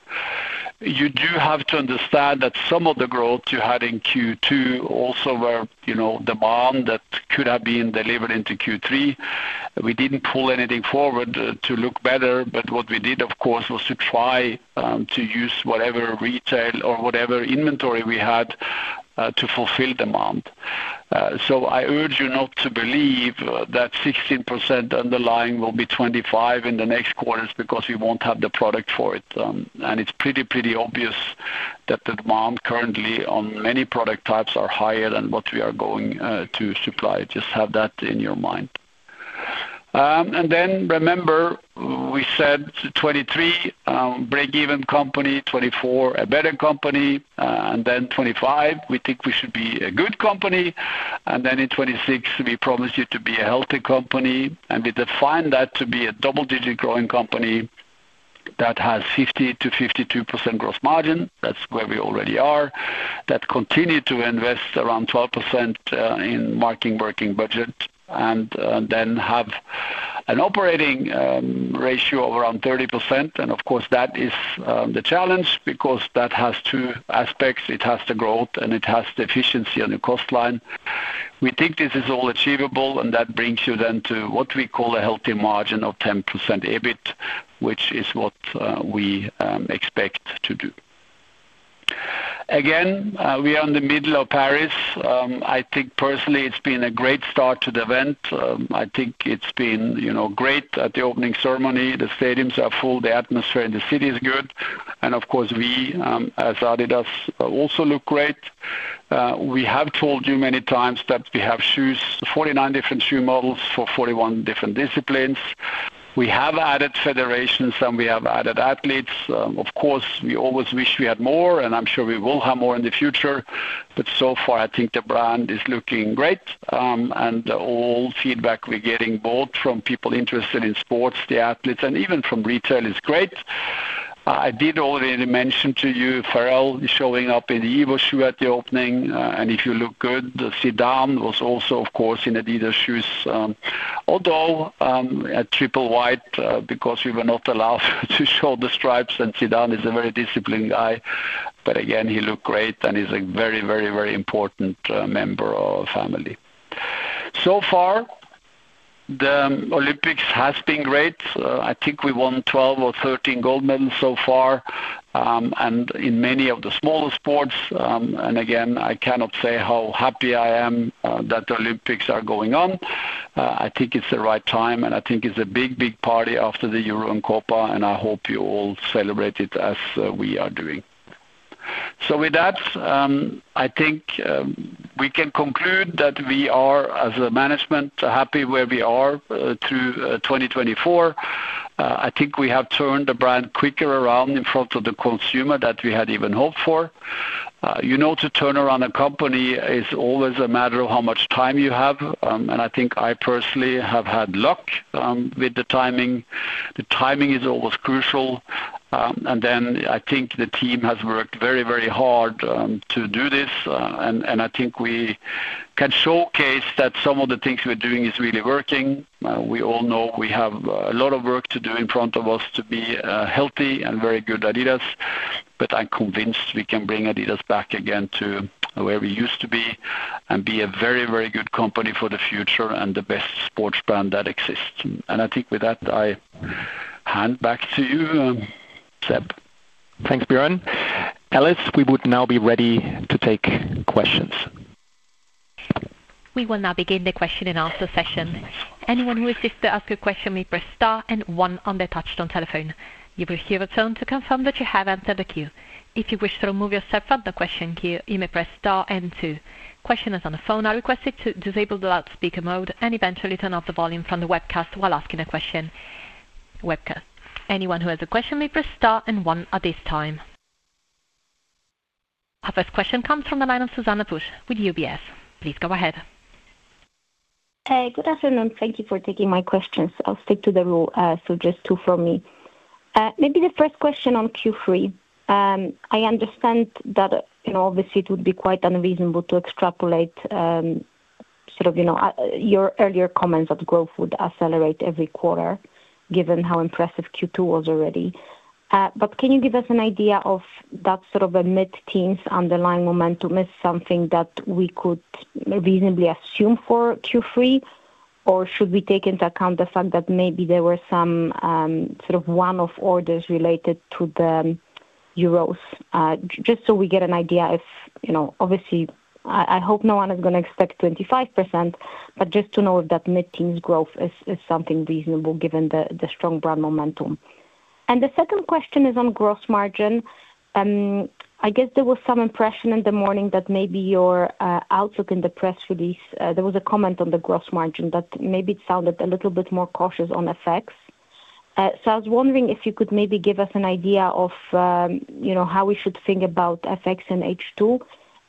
You do have to understand that some of the growth you had in Q2 also were demand that could have been delivered into Q3. We didn't pull anything forward to look better. But what we did, of course, was to try to use whatever retail or whatever inventory we had to fulfill demand. So I urge you not to believe that 16% underlying will be 25% in the next quarters because we won't have the product for it. It's pretty, pretty obvious that the demand currently on many product types are higher than what we are going to supply. Just have that in your mind. Then remember, we said 2023, break-even company, 2024, a better company. Then 2025, we think we should be a good company. Then in 2026, we promised you to be a healthy company. We defined that to be a double-digit growing company that has 50%-52% gross margin. That's where we already are. That continue to invest around 12% in marketing working budget. Then have an operating ratio of around 30%. Of course, that is the challenge because that has two aspects. It has the growth and it has the efficiency on the cost line. We think this is all achievable. That brings you then to what we call a healthy margin of 10% EBIT, which is what we expect to do. Again, we are in the middle of Paris. I think personally it's been a great start to the event. I think it's been great at the opening ceremony. The stadiums are full. The atmosphere in the city is good. Of course, we, as Adidas, also look great. We have told you many times that we have shoes, 49 different shoe models for 41 different disciplines. We have added federations and we have added athletes. Of course, we always wish we had more. I'm sure we will have more in the future. But so far, I think the brand is looking great. All feedback we're getting both from people interested in sports, the athletes, and even from retail is great. I did already mention to you, Pharrell is showing up in the EVO shoe at the opening. And if you look good, the Zinedine Zidane was also, of course, in Adidas shoes. Although at Triple White, because we were not allowed to show the stripes, and Zinedine Zidane is a very disciplined guy. But again, he looked great and is a very, very, very important member of family. So far, the Olympics has been great. I think we won 12 or 13 gold medals so far. And in many of the smaller sports. And again, I cannot say how happy I am that the Olympics are going on. I think it's the right time. And I think it's a big, big party after the Euro and Copa. And I hope you all celebrate it as we are doing. So with that, I think we can conclude that we are, as a management, happy where we are through 2024. I think we have turned the brand quicker around in front of the consumer that we had even hoped for. You know, to turn around a company is always a matter of how much time you have. And I think I personally have had luck with the timing. The timing is always crucial. And then I think the team has worked very, very hard to do this. And I think we can showcase that some of the things we're doing is really working. We all know we have a lot of work to do in front of us to be healthy and very good adidas. But I'm convinced we can bring Adidas back again to where we used to be and be a very, very good company for the future and the best sports brand that exists. And I think with that, I hand back to you, Seb. Thanks, Bjørn. Alice, we would now be ready to take questions. We will now begin the question and answer session. Anyone who is here to ask a question may press star and one on their touch-tone telephone. You will hear a tone to confirm that you have entered the queue. If you wish to remove yourself from the question queue, you may press star and two. Questioners on the phone are requested to disable the loudspeaker mode and eventually turn off the volume from the webcast while asking a question. Anyone who has a question may press star and one at this time. Our first question comes from the line of Zuzanna Pusz with UBS. Please go ahead. Hey, good afternoon. Thank you for taking my questions. I'll stick to the rule. So just two from me. Maybe the first question on Q3. I understand that obviously it would be quite unreasonable to extrapolate sort of your earlier comments that growth would accelerate every quarter given how impressive Q2 was already. But can you give us an idea of that sort of a mid-teens underlying momentum is something that we could reasonably assume for Q3? Or should we take into account the fact that maybe there were some sort of one-off orders related to the Euros? Just so we get an idea if obviously I hope no one is going to expect 25%, but just to know if that mid-teens growth is something reasonable given the strong brand momentum. The second question is on gross margin. I guess there was some impression in the morning that maybe your outlook in the press release, there was a comment on the gross margin that maybe it sounded a little bit more cautious on FX. So I was wondering if you could maybe give us an idea of how we should think about FX and H2.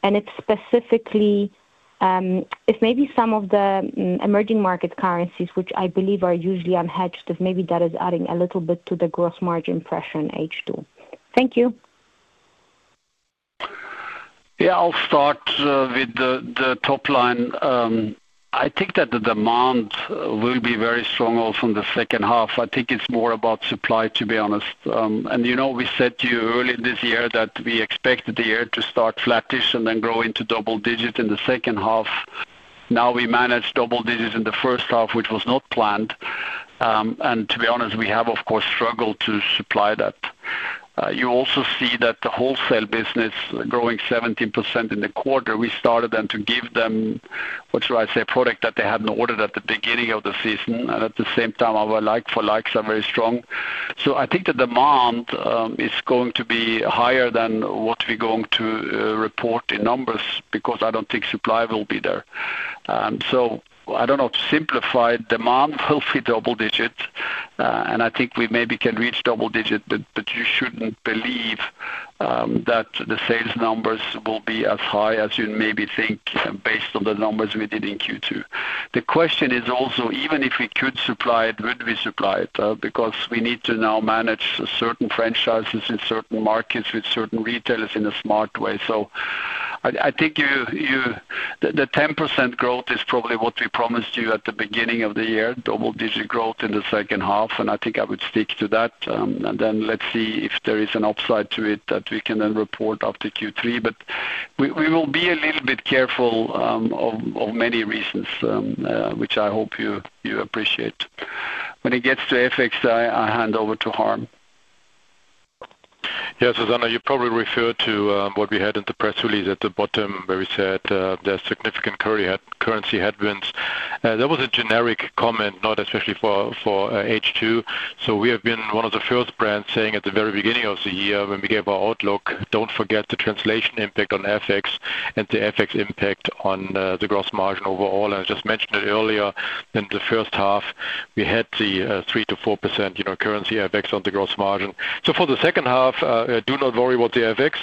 If specifically, if maybe some of the emerging market currencies, which I believe are usually unhedged, if maybe that is adding a little bit to the gross margin impression H2. Thank you. Yeah, I'll start with the top line. I think that the demand will be very strong also in the second half. I think it's more about supply, to be honest. We said to you early this year that we expected the year to start flattish and then grow into double digits in the second half. Now we managed double digits in the first half, which was not planned. And to be honest, we have, of course, struggled to supply that. You also see that the wholesale business growing 17% in the quarter. We started then to give them, what should I say, product that they hadn't ordered at the beginning of the season. And at the same time, our like-for-likes are very strong. So I think the demand is going to be higher than what we're going to report in numbers because I don't think supply will be there. So I don't know. To simplify, demand will be double digits. I think we maybe can reach double digits, but you shouldn't believe that the sales numbers will be as high as you maybe think based on the numbers we did in Q2. The question is also, even if we could supply it, would we supply it? Because we need to now manage certain franchises in certain markets with certain retailers in a smart way. I think the 10% growth is probably what we promised you at the beginning of the year, double digit growth in the second half. I think I would stick to that. Then let's see if there is an upside to it that we can then report after Q3. But we will be a little bit careful of many reasons, which I hope you appreciate. When it gets to FX, I hand over to Harm. Yeah, Susanna, you probably referred to what we had in the press release at the bottom where we said there's significant currency headwinds. That was a generic comment, not especially for H2. So we have been one of the first brands saying at the very beginning of the year when we gave our outlook, don't forget the translation impact on FX and the FX impact on the gross margin overall. And I just mentioned it earlier in the first half, we had the 3%-4% currency FX on the gross margin. So for the second half, do not worry about the FX.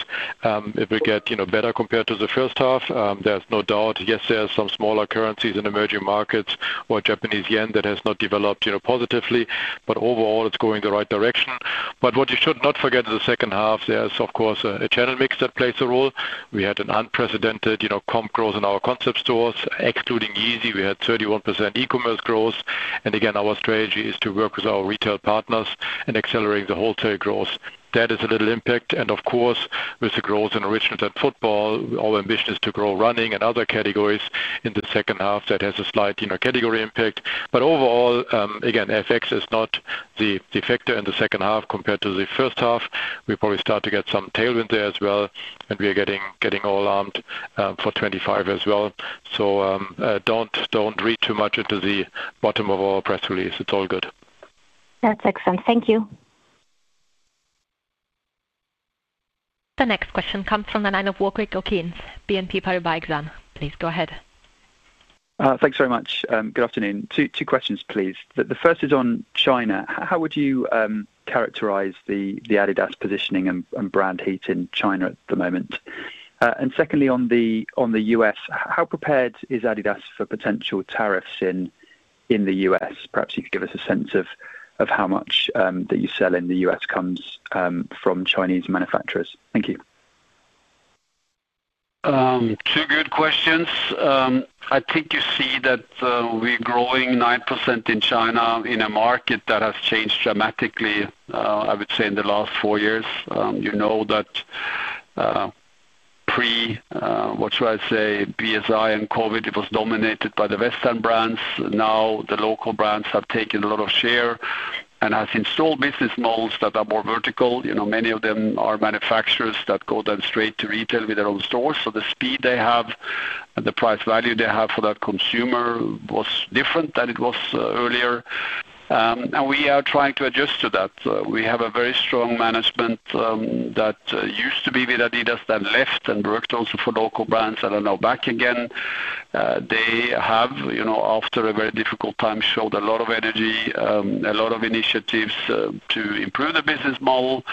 It will get better compared to the first half. There's no doubt. Yes, there are some smaller currencies in emerging markets or Japanese yen that has not developed positively. But overall, it's going the right direction. But what you should not forget in the second half, there is, of course, a channel mix that plays a role. We had an unprecedented comp growth in our concept stores. Excluding Yeezy, we had 31% e-commerce growth. And again, our strategy is to work with our retail partners and accelerate the wholesale growth. That is a little impact. And of course, with the growth in Originals. In football, our ambition is to grow running and other categories in the second half that has a slight category impact. But overall, again, FX is not the factor in the second half compared to the first half. We probably start to get some tailwind there as well. And we are getting all geared for 2025 as well. So don't read too much into the bottom of our press release. It's all good. That's excellent. Thank you. The next question comes from the line of Warwick Okines, BNP Paribas Exane. Please go ahead. Thanks very much. Good afternoon. Two questions, please. The first is on China. How would you characterize the Adidas positioning and brand heat in China at the moment? And secondly, on the US, how prepared is Adidas for potential terrace in the US? Perhaps you could give us a sense of how much that you sell in the US comes from Chinese manufacturers. Thank you. Two good questions. I think you see that we're growing 9% in China in a market that has changed dramatically, I would say, in the last four years. You know that pre, what should I say, BCI and COVID, it was dominated by the Western brands. Now the local brands have taken a lot of share and have installed business models that are more vertical. Many of them are manufacturers that go then straight to retail with their own stores. So the speed they have and the price value they have for that consumer was different than it was earlier. We are trying to adjust to that. We have a very strong management that used to be with Adidas that left and worked also for local brands. I don't know. Back again, they have, after a very difficult time, showed a lot of energy, a lot of initiatives to improve the business model.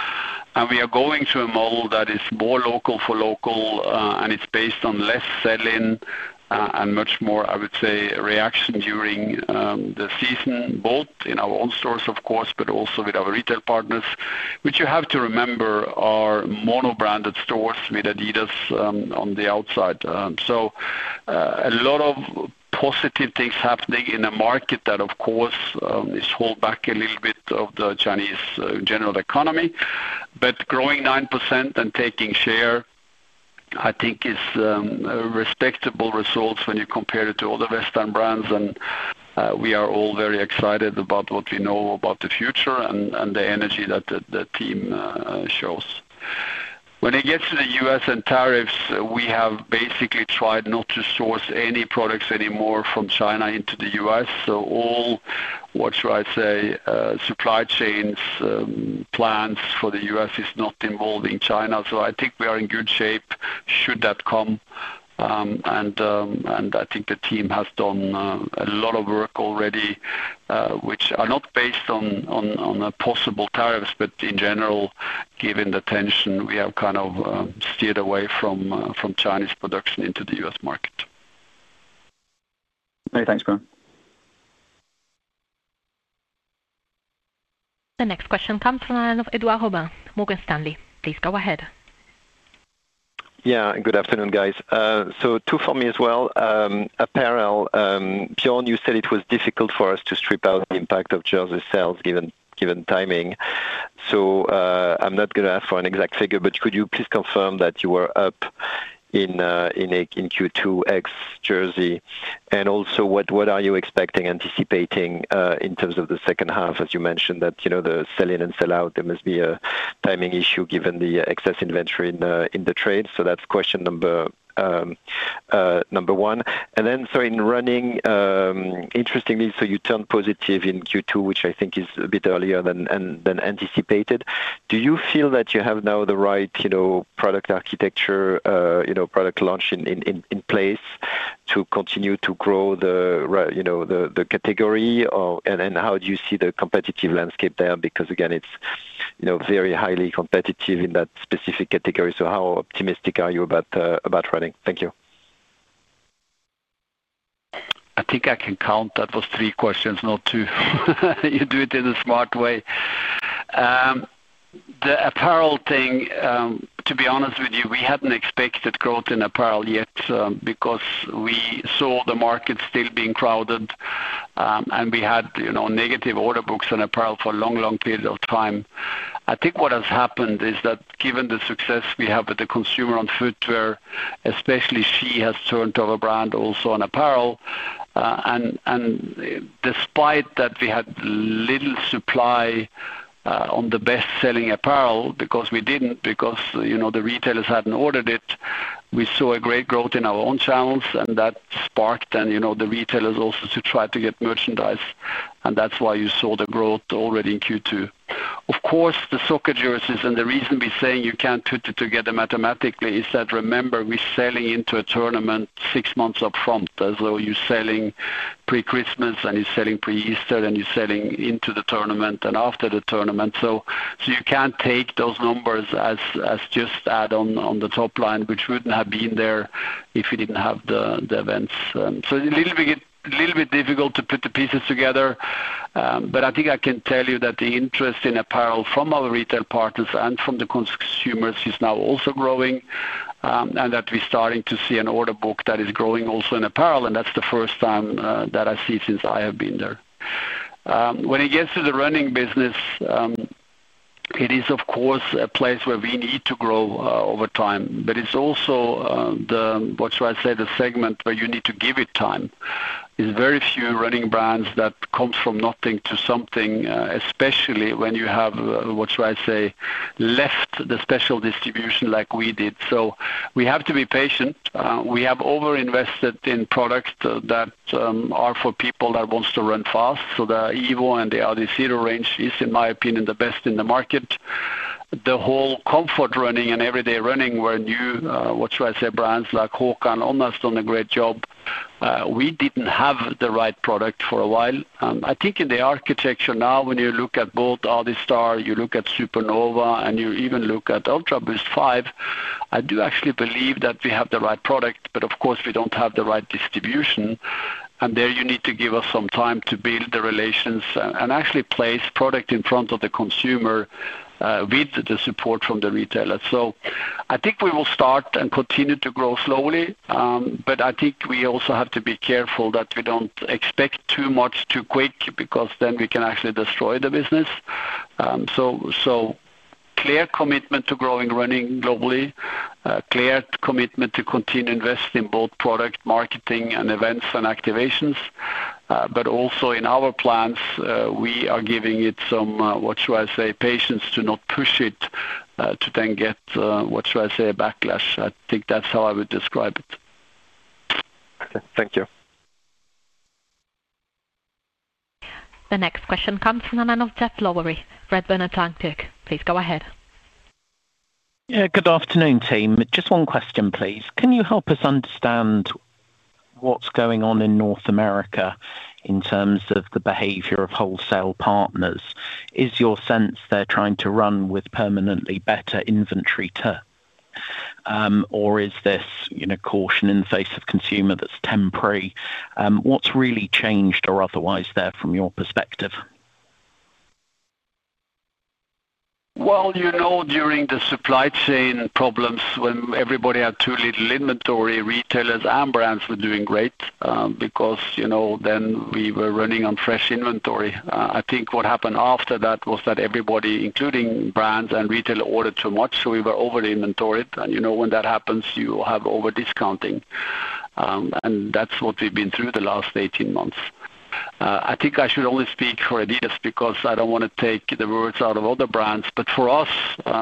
We are going to a model that is more local for local. And it's based on less selling and much more, I would say, reaction during the season, both in our own stores, of course, but also with our retail partners, which you have to remember are monobranded stores with Adidas on the outside. So a lot of positive things happening in a market that, of course, is held back a little bit of the Chinese general economy. But growing 9% and taking share, I think, is a respectable result when you compare it to other Western brands. And we are all very excited about what we know about the future and the energy that the team shows. When it gets to the US and tariffs, we have basically tried not to source any products anymore from China into the US. So all, what should I say, supply chain plans for the US is not involving China. So I think we are in good shape should that come. I think the team has done a lot of work already, which are not based on possible tariffs, but in general, given the tension, we have kind of steered away from Chinese production into the US market. Thanks, Bjørn. The next question comes from the line of Edouard Aubin, Morgan Stanley. Please go ahead. Yeah, good afternoon, guys. So two for me as well. A parallel. Bjørn, you said it was difficult for us to strip out the impact of Yeezy sales given timing. So I'm not going to ask for an exact figure, but could you please confirm that you were up in Q2 ex-Yeezy? And also, what are you expecting, anticipating in terms of the second half, as you mentioned, that the sell-in and sell-out, there must be a timing issue given the excess inventory in the trade? So that's question number one. And then, sorry, in running, interestingly, so you turned positive in Q2, which I think is a bit earlier than anticipated. Do you feel that you have now the right product architecture, product launch in place to continue to grow the category? And how do you see the competitive landscape there? Because, again, it's very highly competitive in that specific category. So how optimistic are you about running? Thank you. I think I can count. That was three questions, not two. You do it in a smart way. The apparel thing, to be honest with you, we hadn't expected growth in apparel yet because we saw the market still being crowded. And we had negative order books on apparel for a long, long period of time. I think what has happened is that given the success we have with the consumer on footwear, especially she has turned to our brand also on apparel. And despite that, we had little supply on the best-selling apparel because we didn't, because the retailers hadn't ordered it. We saw a great growth in our own channels, and that sparked then the retailers also to try to get merchandise. And that's why you saw the growth already in Q2. Of course, the soccer jerseys, and the reason we're saying you can't put it together mathematically is that, remember, we're selling into a tournament six months upfront. So you're selling pre-Christmas, and you're selling pre-Easter, and you're selling into the tournament and after the tournament. So you can't take those numbers as just add on the top line, which wouldn't have been there if we didn't have the events. So it's a little bit difficult to put the pieces together. But I think I can tell you that the interest in apparel from our retail partners and from the consumers is now also growing. And that we're starting to see an order book that is growing also in apparel. And that's the first time that I see since I have been there. When it gets to the running business, it is, of course, a place where we need to grow over time. But it's also, what should I say, the segment where you need to give it time. There's very few running brands that come from nothing to something, especially when you have, what should I say, left the special distribution like we did. So we have to be patient. We have over-invested in products that are for people that want to run fast. So the Evo and the Adizero range is, in my opinion, the best in the market. The whole comfort running and everyday running where new, what should I say, brands like HOKA and On have done a great job. We didn't have the right product for a while. I think in the architecture now, when you look at both Adistar, you look at Supernova, and you even look at Ultraboost 5, I do actually believe that we have the right product. But of course, we don't have the right distribution. And there you need to give us some time to build the relations and actually place product in front of the consumer with the support from the retailers. So I think we will start and continue to grow slowly. But I think we also have to be careful that we don't expect too much too quick because then we can actually destroy the business. So clear commitment to growing running globally, clear commitment to continue investing in both product marketing and events and activations. But also in our plans, we are giving it some, what should I say, patience to not push it to then get, what should I say, a backlash. I think that's how I would describe it. Thank you. The next question comes from the line of Geoff Lowery, Redburn Atlantic. Please go ahead. Good afternoon, team. Just one question, please. Can you help us understand what's going on in North America in terms of the behavior of wholesale partners? Is your sense they're trying to run with permanently better inventory turns? Or is this caution in the face of consumer that's temporary? What's really changed or otherwise there from your perspective? Well, you know, during the supply chain problems when everybody had too little inventory, retailers and brands were doing great because then we were running on fresh inventory. I think what happened after that was that everybody, including brands and retailer, ordered too much. So we were over-inventoried. And when that happens, you have over-discounting. And that's what we've been through the last 18 months. I think I should only speak for Adidas because I don't want to take the words out of other brands. But for us,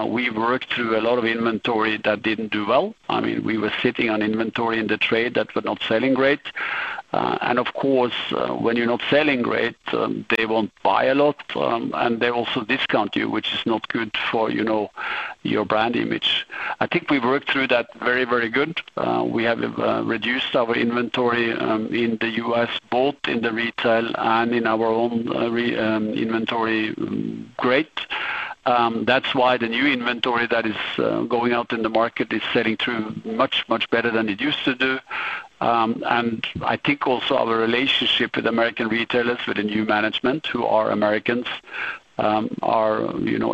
we worked through a lot of inventory that didn't do well. I mean, we were sitting on inventory in the trade that were not selling great. And of course, when you're not selling great, they won't buy a lot. And they also discount you, which is not good for your brand image. I think we worked through that very, very good. We have reduced our inventory in the U.S., both in the retail and in our own inventory grade. That's why the new inventory that is going out in the market is selling through much, much better than it used to do. And I think also our relationship with American retailers, with the new management, who are Americans, are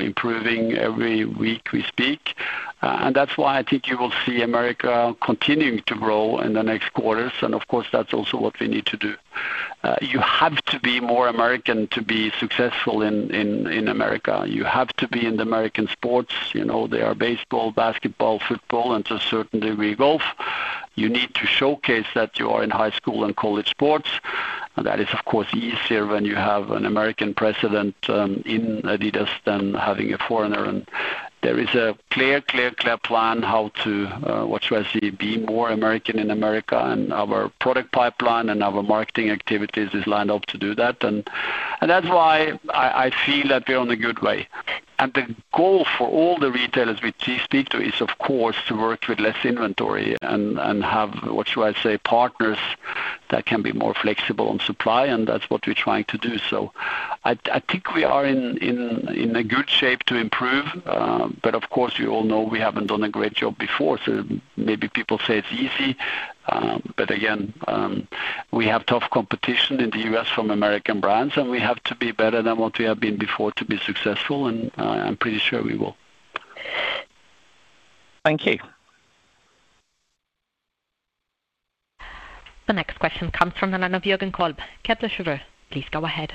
improving every week we speak. And that's why I think you will see America continuing to grow in the next quarters. And of course, that's also what we need to do. You have to be more American to be successful in America. You have to be in the American sports. There are baseball, basketball, football, and to a certain degree, golf. You need to showcase that you are in high school and college sports. That is, of course, easier when you have an American president in Adidas than having a foreigner. There is a clear, clear, clear plan how to, what should I say, be more American in America. Our product pipeline and our marketing activities is lined up to do that. And that's why I feel that we're on a good way. The goal for all the retailers we speak to is, of course, to work with less inventory and have, what should I say, partners that can be more flexible on supply. And that's what we're trying to do. So I think we are in a good shape to improve. But of course, we all know we haven't done a great job before. So maybe people say it's easy. But again, we have tough competition in the U.S. from American brands. We have to be better than what we have been before to be successful. And I'm pretty sure we will. Thank you. The next question comes from the line of Jürgen Kolb. Kepler Cheuvreux, please go ahead.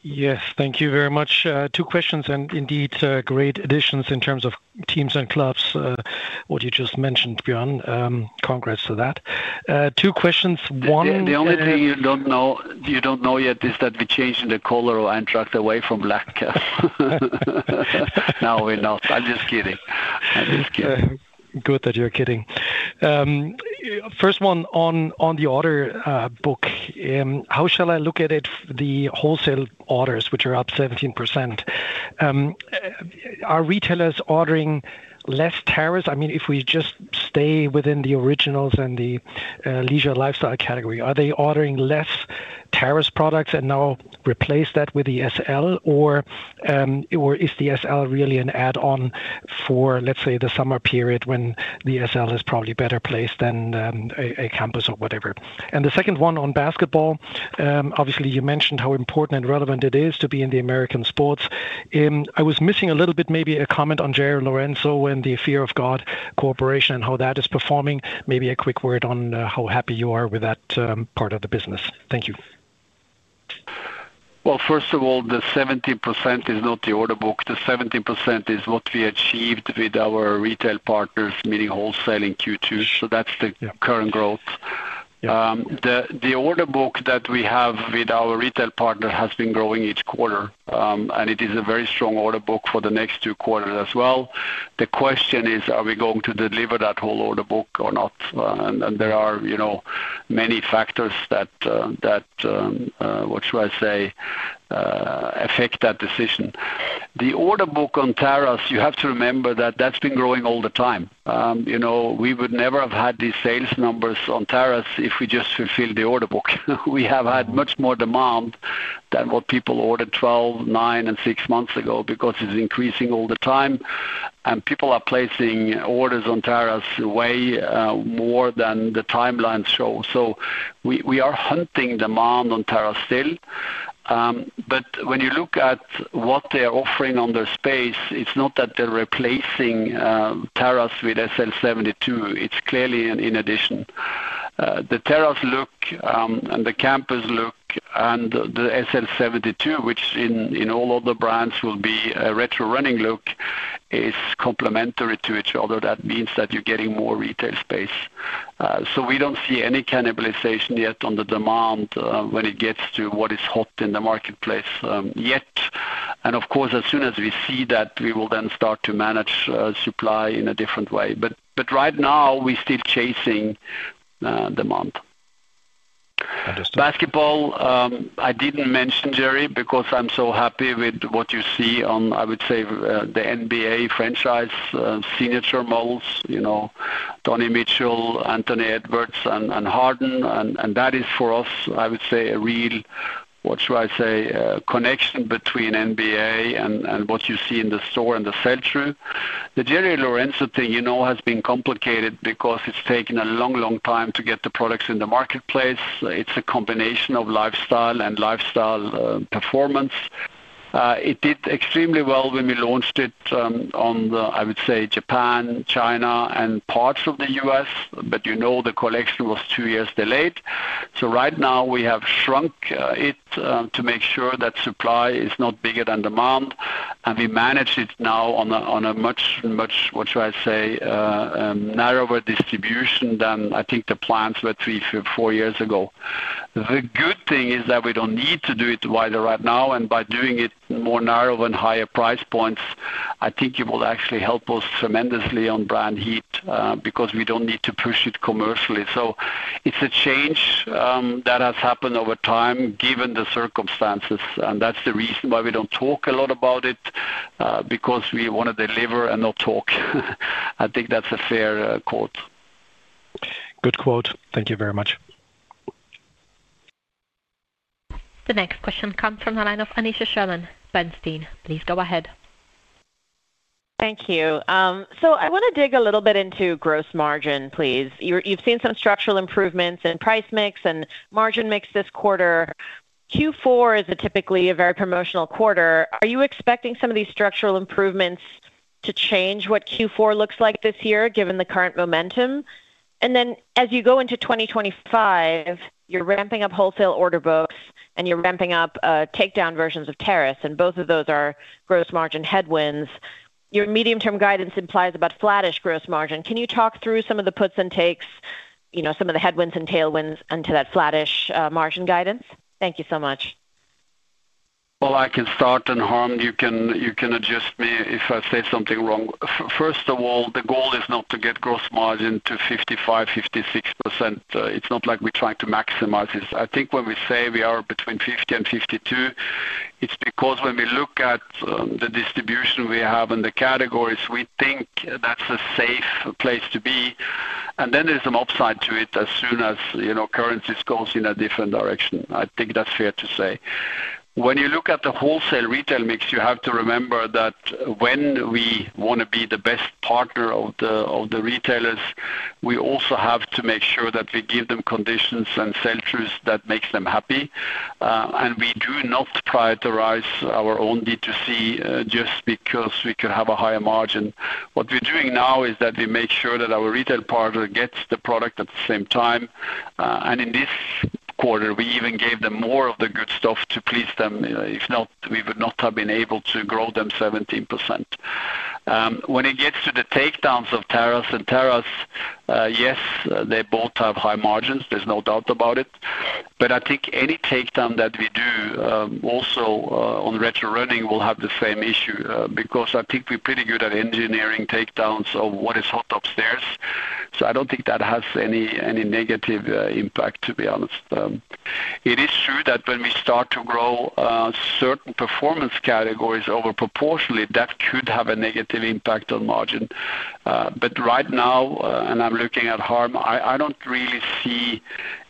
Yes, thank you very much. Two questions. And indeed, great additions in terms of teams and clubs, what you just mentioned, Bjørn. Congrats to that. Two questions. One. The only thing you don't know yet is that we changed the color of Eintracht away from black. Now we know. I'm just kidding. I'm just kidding. Good that you're kidding. First one on the order book. How shall I look at it? The wholesale orders, which are up 17%. Are retailers ordering less terrace? I mean, if we just stay within the originals and the leisure lifestyle category, are they ordering less terrace products and now replace that with the SL? Or is the SL really an add-on for, let's say, the summer period when the SL is probably better placed than a Campus or whatever? And the second one on basketball, obviously, you mentioned how important and relevant it is to be in the American sports. I was missing a little bit maybe a comment on Jerry Lorenzo and the Fear of God and how that is performing. Maybe a quick word on how happy you are with that part of the business. Thank you. Well, first of all, the 17% is not the order book. The 17% is what we achieved with our retail partners, meaning wholesale in Q2. So that's the current growth. The order book that we have with our retail partner has been growing each quarter. And it is a very strong order book for the next two quarters as well. The question is, are we going to deliver that whole order book or not? And there are many factors that, what should I say, affect that decision. The order book on terrace, you have to remember that that's been growing all the time. We would never have had these sales numbers on terrace if we just fulfilled the order book. We have had much more demand than what people ordered 12, 9, and 6 months ago because it's increasing all the time. And people are placing orders on terrace way more than the timelines show. So we are hunting demand on terrace still. But when you look at what they're offering on their space, it's not that they're replacing terrace with SL 72. It's clearly an addition. The Terrace look and the Campus look and the SL72, which in all other brands will be a retro running look, is complementary to each other. That means that you're getting more retail space. So we don't see any cannibalization yet on the demand when it gets to what is hot in the marketplace yet. And of course, as soon as we see that, we will then start to manage supply in a different way. But right now, we're still chasing demand. Basketball, I didn't mention, Jerry, because I'm so happy with what you see on, I would say, the NBA franchise signature models, Donovan Mitchell, Anthony Edwards, and Harden. And that is for us, I would say, a real, what should I say, connection between NBA and what you see in the store and the sell-through. The Jerry Lorenzo thing has been complicated because it's taken a long, long time to get the products in the marketplace. It's a combination of lifestyle and lifestyle performance. It did extremely well when we launched it on, I would say, Japan, China, and parts of the U.S. But the collection was two years delayed. So right now, we have shrunk it to make sure that supply is not bigger than demand. And we manage it now on a much, much, what should I say, narrower distribution than I think the plans were three to four years ago. The good thing is that we don't need to do it wider right now. And by doing it more narrow and higher price points, I think it will actually help us tremendously on brand heat because we don't need to push it commercially. So it's a change that has happened over time given the circumstances. And that's the reason why we don't talk a lot about it because we want to deliver and not talk. I think that's a fair quote. Good quote. Thank you very much. The next question comes from the line of Aneesha Sherman, Bernstein. Please go ahead. Thank you. So I want to dig a little bit into gross margin, please. You've seen some structural improvements in price mix and margin mix this quarter. Q4 is typically a very promotional quarter. Are you expecting some of these structural improvements to change what Q4 looks like this year given the current momentum? And then as you go into 2025, you're ramping up wholesale order books, and you're ramping up takedown versions of tariffs. And both of those are gross margin headwinds. Your medium-term guidance implies about flattish gross margin. Can you talk through some of the puts and takes, some of the headwinds and tailwinds into that flattish margin guidance? Thank you so much. Well, I can start and Harm, you can adjust me if I say something wrong. First of all, the goal is not to get gross margin to 55%-56%. It's not like we're trying to maximize it. I think when we say we are between 50%-52%, it's because when we look at the distribution we have in the categories, we think that's a safe place to be. And then there's some upside to it as soon as currency goes in a different direction. I think that's fair to say. When you look at the wholesale retail mix, you have to remember that when we want to be the best partner of the retailers, we also have to make sure that we give them conditions and sell-throughs that make them happy. And we do not prioritize our own DTC just because we could have a higher margin. What we're doing now is that we make sure that our retail partner gets the product at the same time. And in this quarter, we even gave them more of the good stuff to please them. If not, we would not have been able to grow them 17%. When it gets to the takedowns of tariffs and tariffs, yes, they both have high margins. There's no doubt about it. But I think any takedown that we do also on retro running will have the same issue because I think we're pretty good at engineering takedowns of what is hot upstairs. So I don't think that has any negative impact, to be honest. It is true that when we start to grow certain performance categories overproportionately, that could have a negative impact on margin. But right now, and I'm looking at Harm, I don't really see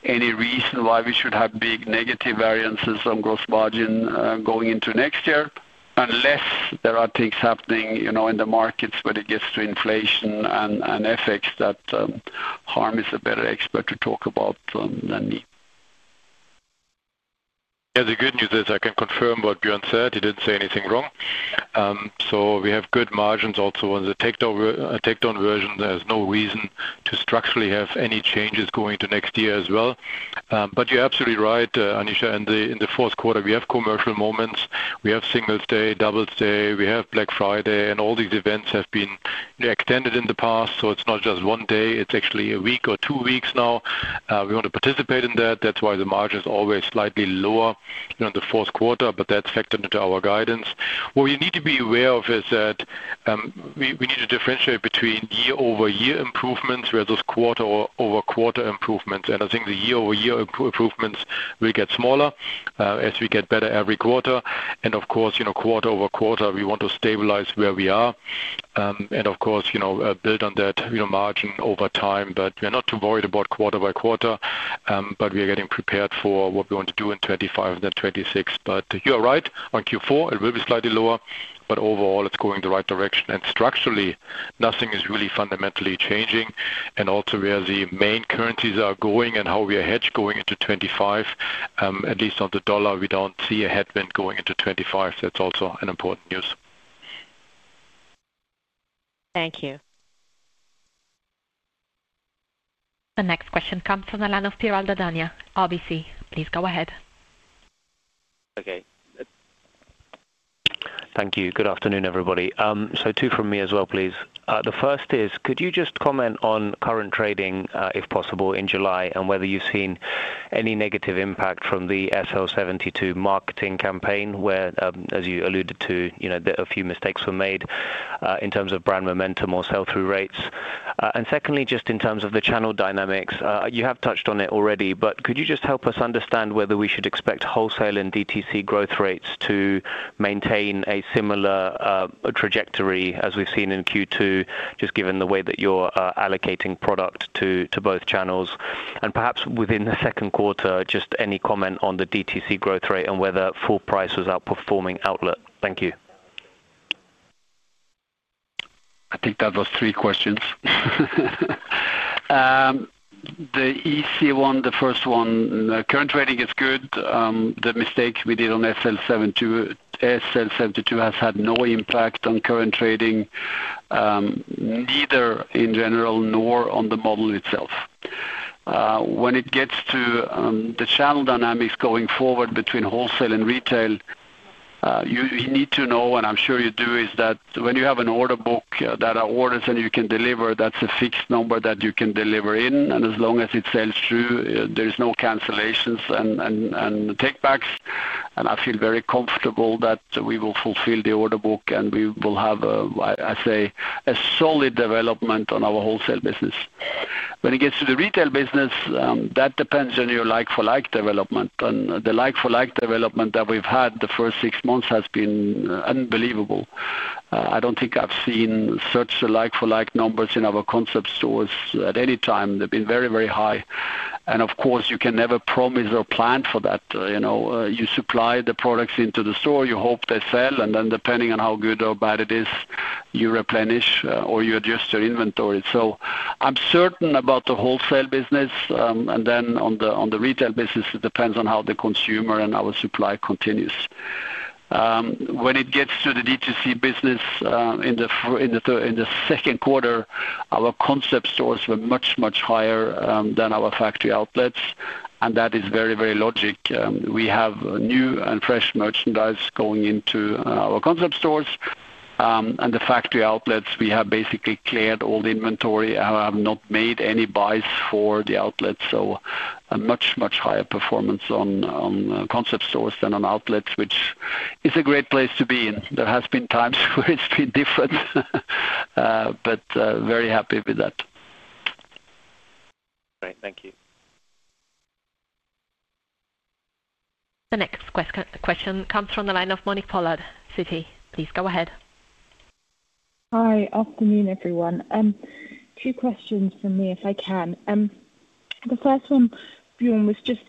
any reason why we should have big negative variances on gross margin going into next year unless there are things happening in the markets when it gets to inflation and effects that Harm is a better expert to talk about than me. Yeah, the good news is I can confirm what Bjørn said. He didn't say anything wrong. So we have good margins also on the takedown version. There's no reason to structurally have any changes going into next year as well. But you're absolutely right, Aneesha. In the fourth quarter, we have commercial moments. We have Single Day, Double Day. We have Black Friday. And all these events have been extended in the past. So it's not just one day. It's actually a week or two weeks now. We want to participate in that. That's why the margin is always slightly lower in the fourth quarter. But that's factored into our guidance. What we need to be aware of is that we need to differentiate between year-over-year improvements versus quarter-over-quarter improvements. And I think the year-over-year improvements will get smaller as we get better every quarter. And of course, quarter-over-quarter, we want to stabilize where we are. And of course, build on that margin over time. But we're not too worried about quarter-by-quarter. But we are getting prepared for what we want to do in 2025 and 2026. But you are right. On Q4, it will be slightly lower. But overall, it's going the right direction. And structurally, nothing is really fundamentally changing. And also, where the main currencies are going and how we are hedged going into 2025, at least on the dollar, we don't see a headwind going into 2025. So it's also important news. Thank you. The next question comes from the line of Pira Dadhania, RBC. Please go ahead. Okay. Thank you. Good afternoon, everybody. So two from me as well, please. The first is, could you just comment on current trading, if possible, in July and whether you've seen any negative impact from the SL72 marketing campaign where, as you alluded to, a few mistakes were made in terms of brand momentum or sell-through rates? And secondly, just in terms of the channel dynamics, you have touched on it already, but could you just help us understand whether we should expect wholesale and DTC growth rates to maintain a similar trajectory as we've seen in Q2, just given the way that you're allocating product to both channels? And perhaps within the second quarter, just any comment on the DTC growth rate and whether full price was outperforming outlet? Thank you. I think that was three questions. The easy one, the first one, current trading is good. The mistake we did on SL72 has had no impact on current trading, neither in general nor on the model itself. When it gets to the channel dynamics going forward between wholesale and retail, you need to know, and I'm sure you do, is that when you have an order book that are orders and you can deliver, that's a fixed number that you can deliver in. And as long as it sells through, there's no cancellations and takebacks. And I feel very comfortable that we will fulfill the order book and we will have, I say, a solid development on our wholesale business. When it gets to the retail business, that depends on your like-for-like development. And the like-for-like development that we've had the first six months has been unbelievable. I don't think I've seen such like-for-like numbers in our concept stores at any time. They've been very, very high. And of course, you can never promise or plan for that. You supply the products into the store, you hope they sell, and then depending on how good or bad it is, you replenish or you adjust your inventory. So I'm certain about the wholesale business. And then on the retail business, it depends on how the consumer and our supply continues. When it gets to the DTC business in the second quarter, our concept stores were much, much higher than our factory outlets. And that is very, very logical. We have new and fresh merchandise going into our concept stores. And the factory outlets, we have basically cleared all the inventory. I have not made any buys for the outlets. So much, much higher performance on concept stores than on outlets, which is a great place to be in. There have been times where it's been different, but very happy with that. Great. Thank you. The next question comes from the line of Monique Pollard, Citi. Please go ahead. Hi. Afternoon, everyone. Two questions for me, if I can. The first one, Bjørn, was just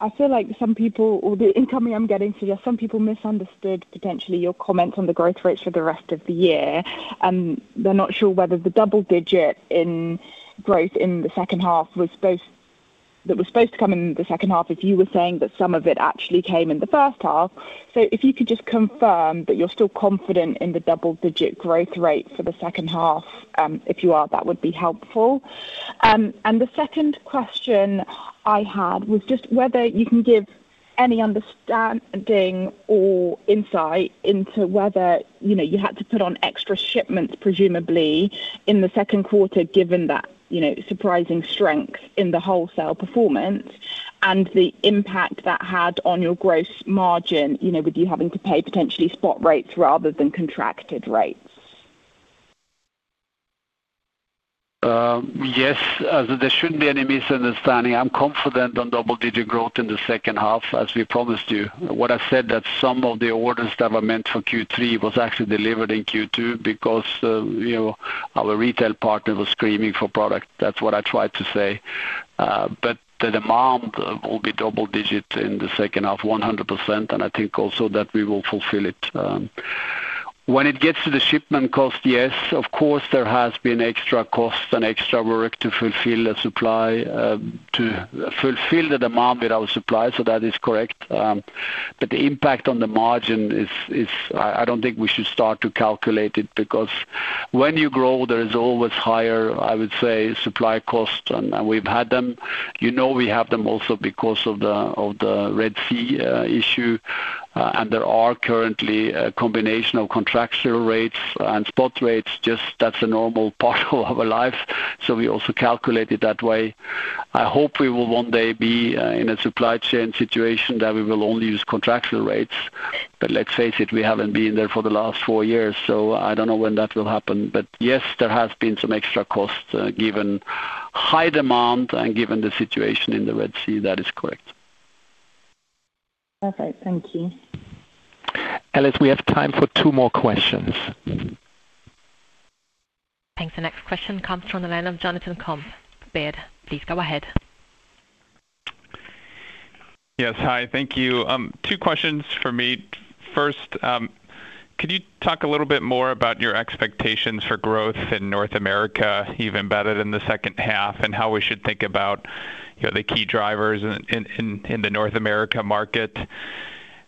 I feel like some people or the incoming I'm getting suggests some people misunderstood potentially your comments on the growth rates for the rest of the year. They're not sure whether the double-digit in growth in the second half was supposed to come in the second half, as you were saying, but some of it actually came in the first half. So if you could just confirm that you're still confident in the double-digit growth rate for the second half, if you are, that would be helpful. And the second question I had was just whether you can give any understanding or insight into whether you had to put on extra shipments, presumably, in the second quarter, given that surprising strength in the wholesale performance and the impact that had on your gross margin with you having to pay potentially spot rates rather than contracted rates? Yes. There shouldn't be any misunderstanding. I'm confident on double-digit growth in the second half, as we promised you. What I said, that some of the orders that were meant for Q3 was actually delivered in Q2 because our retail partner was screaming for product. That's what I tried to say. But the demand will be double-digit in the second half, 100%. And I think also that we will fulfill it. When it gets to the shipment cost, yes, of course, there has been extra cost and extra work to fulfill the supply, to fulfill the demand that our supply. So that is correct. But the impact on the margin is, I don't think we should start to calculate it because when you grow, there is always higher, I would say, supply cost. And we've had them. We have them also because of the Red Sea issue. And there are currently a combination of contractual rates and spot rates. Just that's a normal part of our life. So we also calculate it that way. I hope we will one day be in a supply chain situation that we will only use contractual rates. But let's face it, we haven't been there for the last four years. So I don't know when that will happen. But yes, there has been some extra cost given high demand and given the situation in the Red Sea. That is correct. Perfect. Thank you. Ellis, we have time for two more questions. Thanks. The next question comes from the line of Jonathan Komp. Baird, please go ahead. Yes. Hi. Thank you. Two questions for me. First, could you talk a little bit more about your expectations for growth in North America even better than the second half and how we should think about the key drivers in the North America market?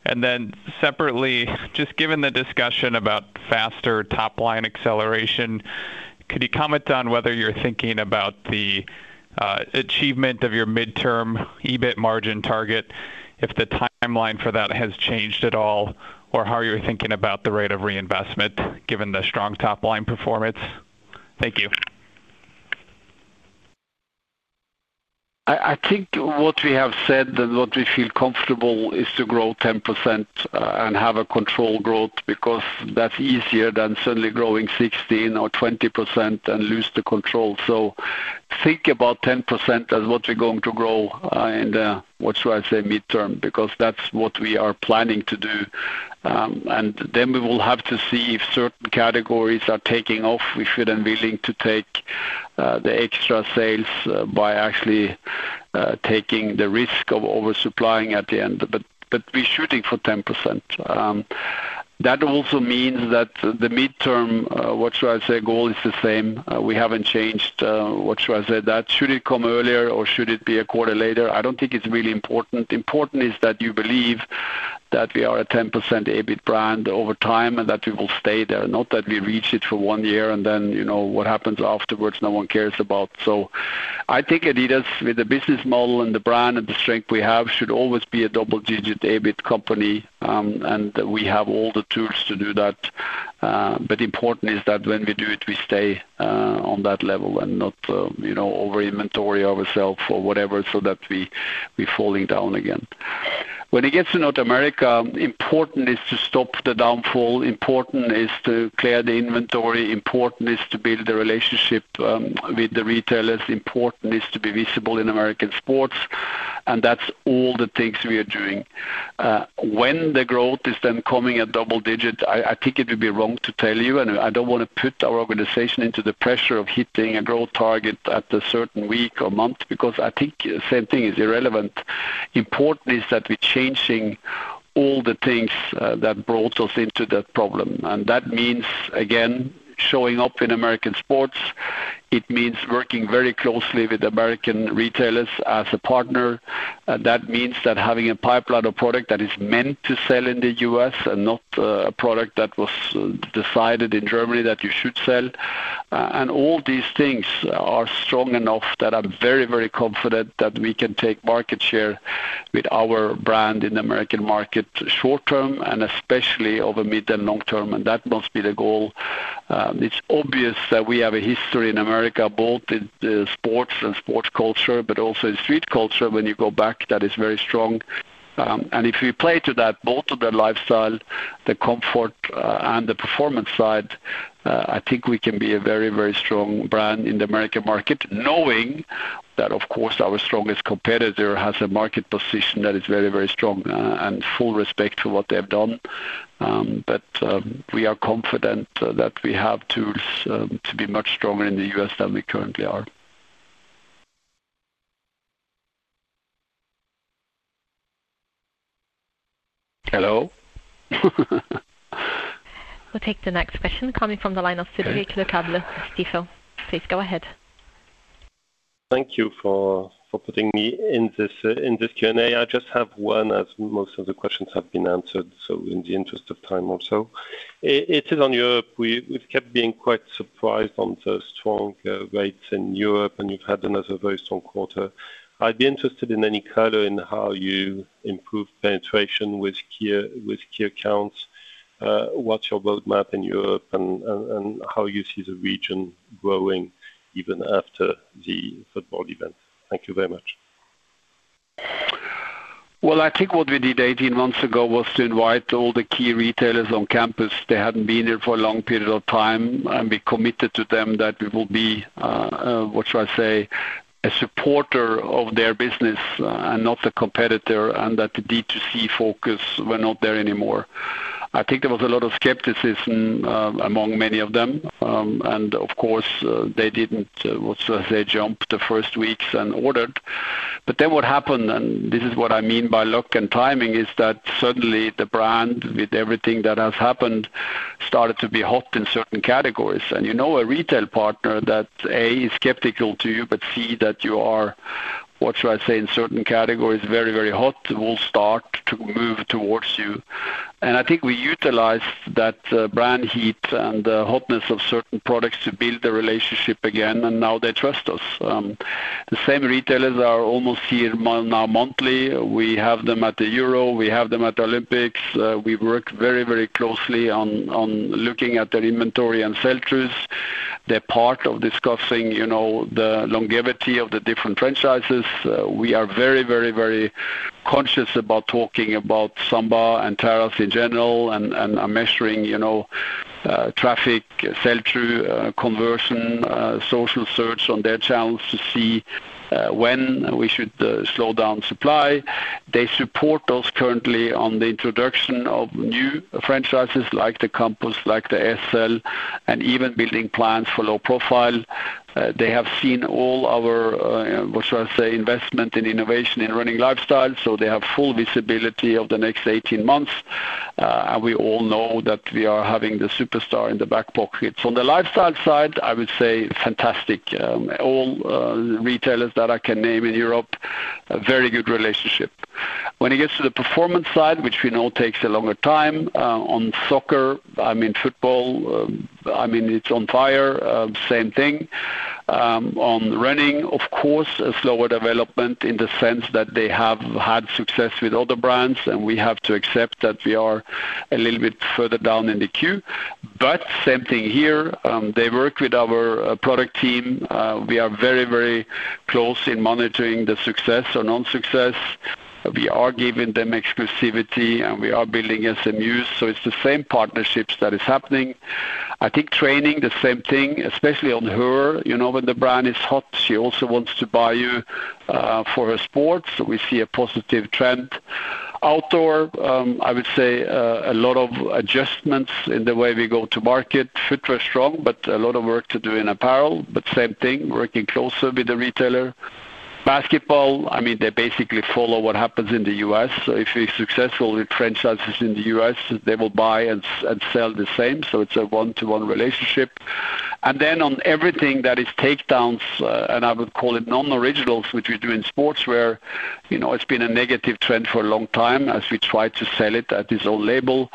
And then separately, just given the discussion about faster top-line acceleration, could you comment on whether you're thinking about the achievement of your midterm EBIT margin target, if the timeline for that has changed at all, or how you're thinking about the rate of reinvestment given the strong top-line performance? Thank you. I think what we have said that what we feel comfortable is to grow 10% and have a control growth because that's easier than suddenly growing 16% or 20% and lose the control. So think about 10% as what we're going to grow in the, what should I say, midterm because that's what we are planning to do. And then we will have to see if certain categories are taking off. We shouldn't be willing to take the extra sales by actually taking the risk of oversupplying at the end. But we're shooting for 10%. That also means that the midterm, what should I say, goal is the same. We haven't changed what should I say. That should it come earlier or should it be a quarter later? I don't think it's really important. Important is that you believe that we are a 10% EBIT brand over time and that we will stay there, not that we reach it for one year and then what happens afterwards no one cares about. So I think Adidas, with the business model and the brand and the strength we have, should always be a double-digit EBIT company. And we have all the tools to do that. But important is that when we do it, we stay on that level and not over-inventory ourselves or whatever so that we're falling down again. When it gets to North America, important is to stop the downfall. Important is to clear the inventory. Important is to build the relationship with the retailers. Important is to be visible in American sports. And that's all the things we are doing. When the growth is then coming at double-digit, I think it would be wrong to tell you. And I don't want to put our organization into the pressure of hitting a growth target at a certain week or month because I think the same thing is irrelevant. Important is that we're changing all the things that brought us into that problem. And that means, again, showing up in American sports. It means working very closely with American retailers as a partner. That means that having a pipeline of product that is meant to sell in the US and not a product that was decided in Germany that you should sell. And all these things are strong enough that I'm very, very confident that we can take market share with our brand in the American market short-term and especially over mid- and long-term. That must be the goal. It's obvious that we have a history in America, both in sports and sports culture, but also in street culture when you go back that is very strong. If we play to that, both of the lifestyle, the comfort, and the performance side, I think we can be a very, very strong brand in the American market, knowing that, of course, our strongest competitor has a market position that is very, very strong and full respect for what they have done. We are confident that we have tools to be much stronger in the US than we currently are. Hello? We'll take the next question coming from the line of Cédric Lecasble. Please go ahead. Thank you for putting me in this Q&A. I just have one as most of the questions have been answered. So, in the interest of time, also, it is on Europe. We've kept being quite surprised on the strong rates in Europe, and you've had another very strong quarter. I'd be interested in any color on how you improve penetration with key accounts, what's your roadmap in Europe, and how you see the region growing even after the football event. Thank you very much. Well, I think what we did 18 months ago was to invite all the key retailers on campus. They hadn't been here for a long period of time. We committed to them that we will be, what should I say, a supporter of their business and not a competitor, and that the DTC focus were not there anymore. I think there was a lot of skepticism among many of them. Of course, they didn't, what should I say, jump the first weeks and ordered. But then what happened, and this is what I mean by luck and timing, is that suddenly the brand, with everything that has happened, started to be hot in certain categories. And a retail partner that, A, is skeptical to you, but C, that you are, what should I say, in certain categories, very, very hot, will start to move towards you. And I think we utilized that brand heat and the hotness of certain products to build the relationship again. And now they trust us. The same retailers are almost here now monthly. We have them at the Euro. We have them at the Olympics. We work very, very closely on looking at their inventory and sell-throughs. They're part of discussing the longevity of the different franchises. We are very, very, very conscious about talking about Samba and Terrace in general and measuring traffic, sell-through conversion, social search on their channels to see when we should slow down supply. They support us currently on the introduction of new franchises like the Campus, like the SL, and even building plans for low profile. They have seen all our, what should I say, investment in innovation in running lifestyle. So they have full visibility of the next 18 months. And we all know that we are having the Superstar in the back pocket. So on the lifestyle side, I would say fantastic. All retailers that I can name in Europe, very good relationship. When it gets to the performance side, which we know takes a longer time, on soccer, I mean, football, I mean, it's on fire, same thing. On running, of course, a slower development in the sense that they have had success with other brands. We have to accept that we are a little bit further down in the queue. Same thing here. They work with our product team. We are very, very close in monitoring the success or non-success. We are giving them exclusivity, and we are building SMUs. It's the same partnerships that is happening. I think training, the same thing, especially on HERE, when the brand is hot, she also wants to buy you for her sports. We see a positive trend. Outdoor, I would say a lot of adjustments in the way we go to market. Footwear strong, but a lot of work to do in apparel. Same thing, working closer with the retailer. Basketball, I mean, they basically follow what happens in the U.S. So if we're successful with franchises in the US, they will buy and sell the same. So it's a one-to-one relationship. And then on everything that is takedowns, and I would call it non-originals, which we do in sportswear, it's been a negative trend for a long time as we tried to sell it at its own label.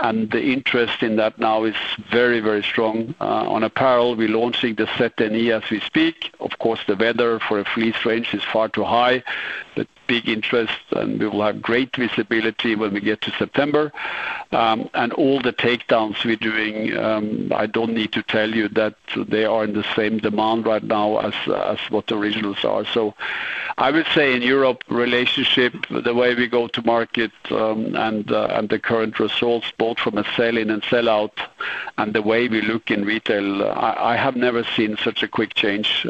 And the interest in that now is very, very strong. On apparel, we're launching the Z.N.E. as we speak. Of course, the weather for a fleece range is far too high, but big interest. And we will have great visibility when we get to September. And all the takedowns we're doing, I don't need to tell you that they are in the same demand right now as what the originals are. So I would say in Europe, relationship, the way we go to market and the current results, both from a sell-in and sell-out, and the way we look in retail, I have never seen such a quick change.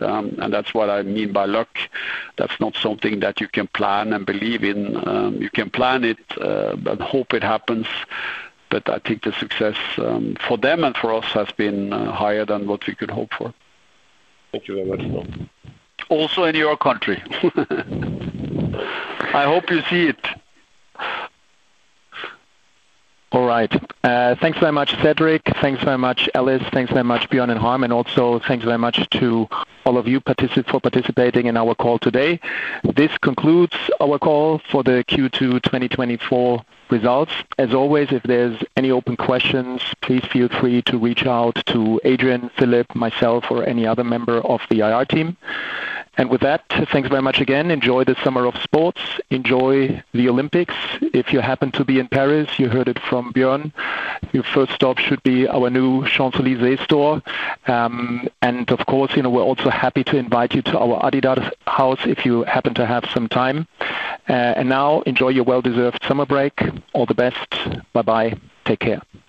That's what I mean by luck. That's not something that you can plan and believe in. You can plan it and hope it happens. But I think the success for them and for us has been higher than what we could hope for. Thank you very much. Also in your country. I hope you see it. All right. Thanks very much, Cédric. Thanks very much, Ellis. Thanks very much, Bjørn and Harm. And also thanks very much to all of you for participating in our call today. This concludes our call for the Q2 2024 results. As always, if there's any open questions, please feel free to reach out to Adrian, Philip, myself, or any other member of the IR team. And with that, thanks very much again. Enjoy the summer of sports. Enjoy the Olympics. If you happen to be in Paris, you heard it from Bjørn, your first stop should be our new Champs-Élysées store. And of course, we're also happy to invite you to our Adidas house if you happen to have some time. And now, enjoy your well-deserved summer break. All the best. Bye-bye. Take care.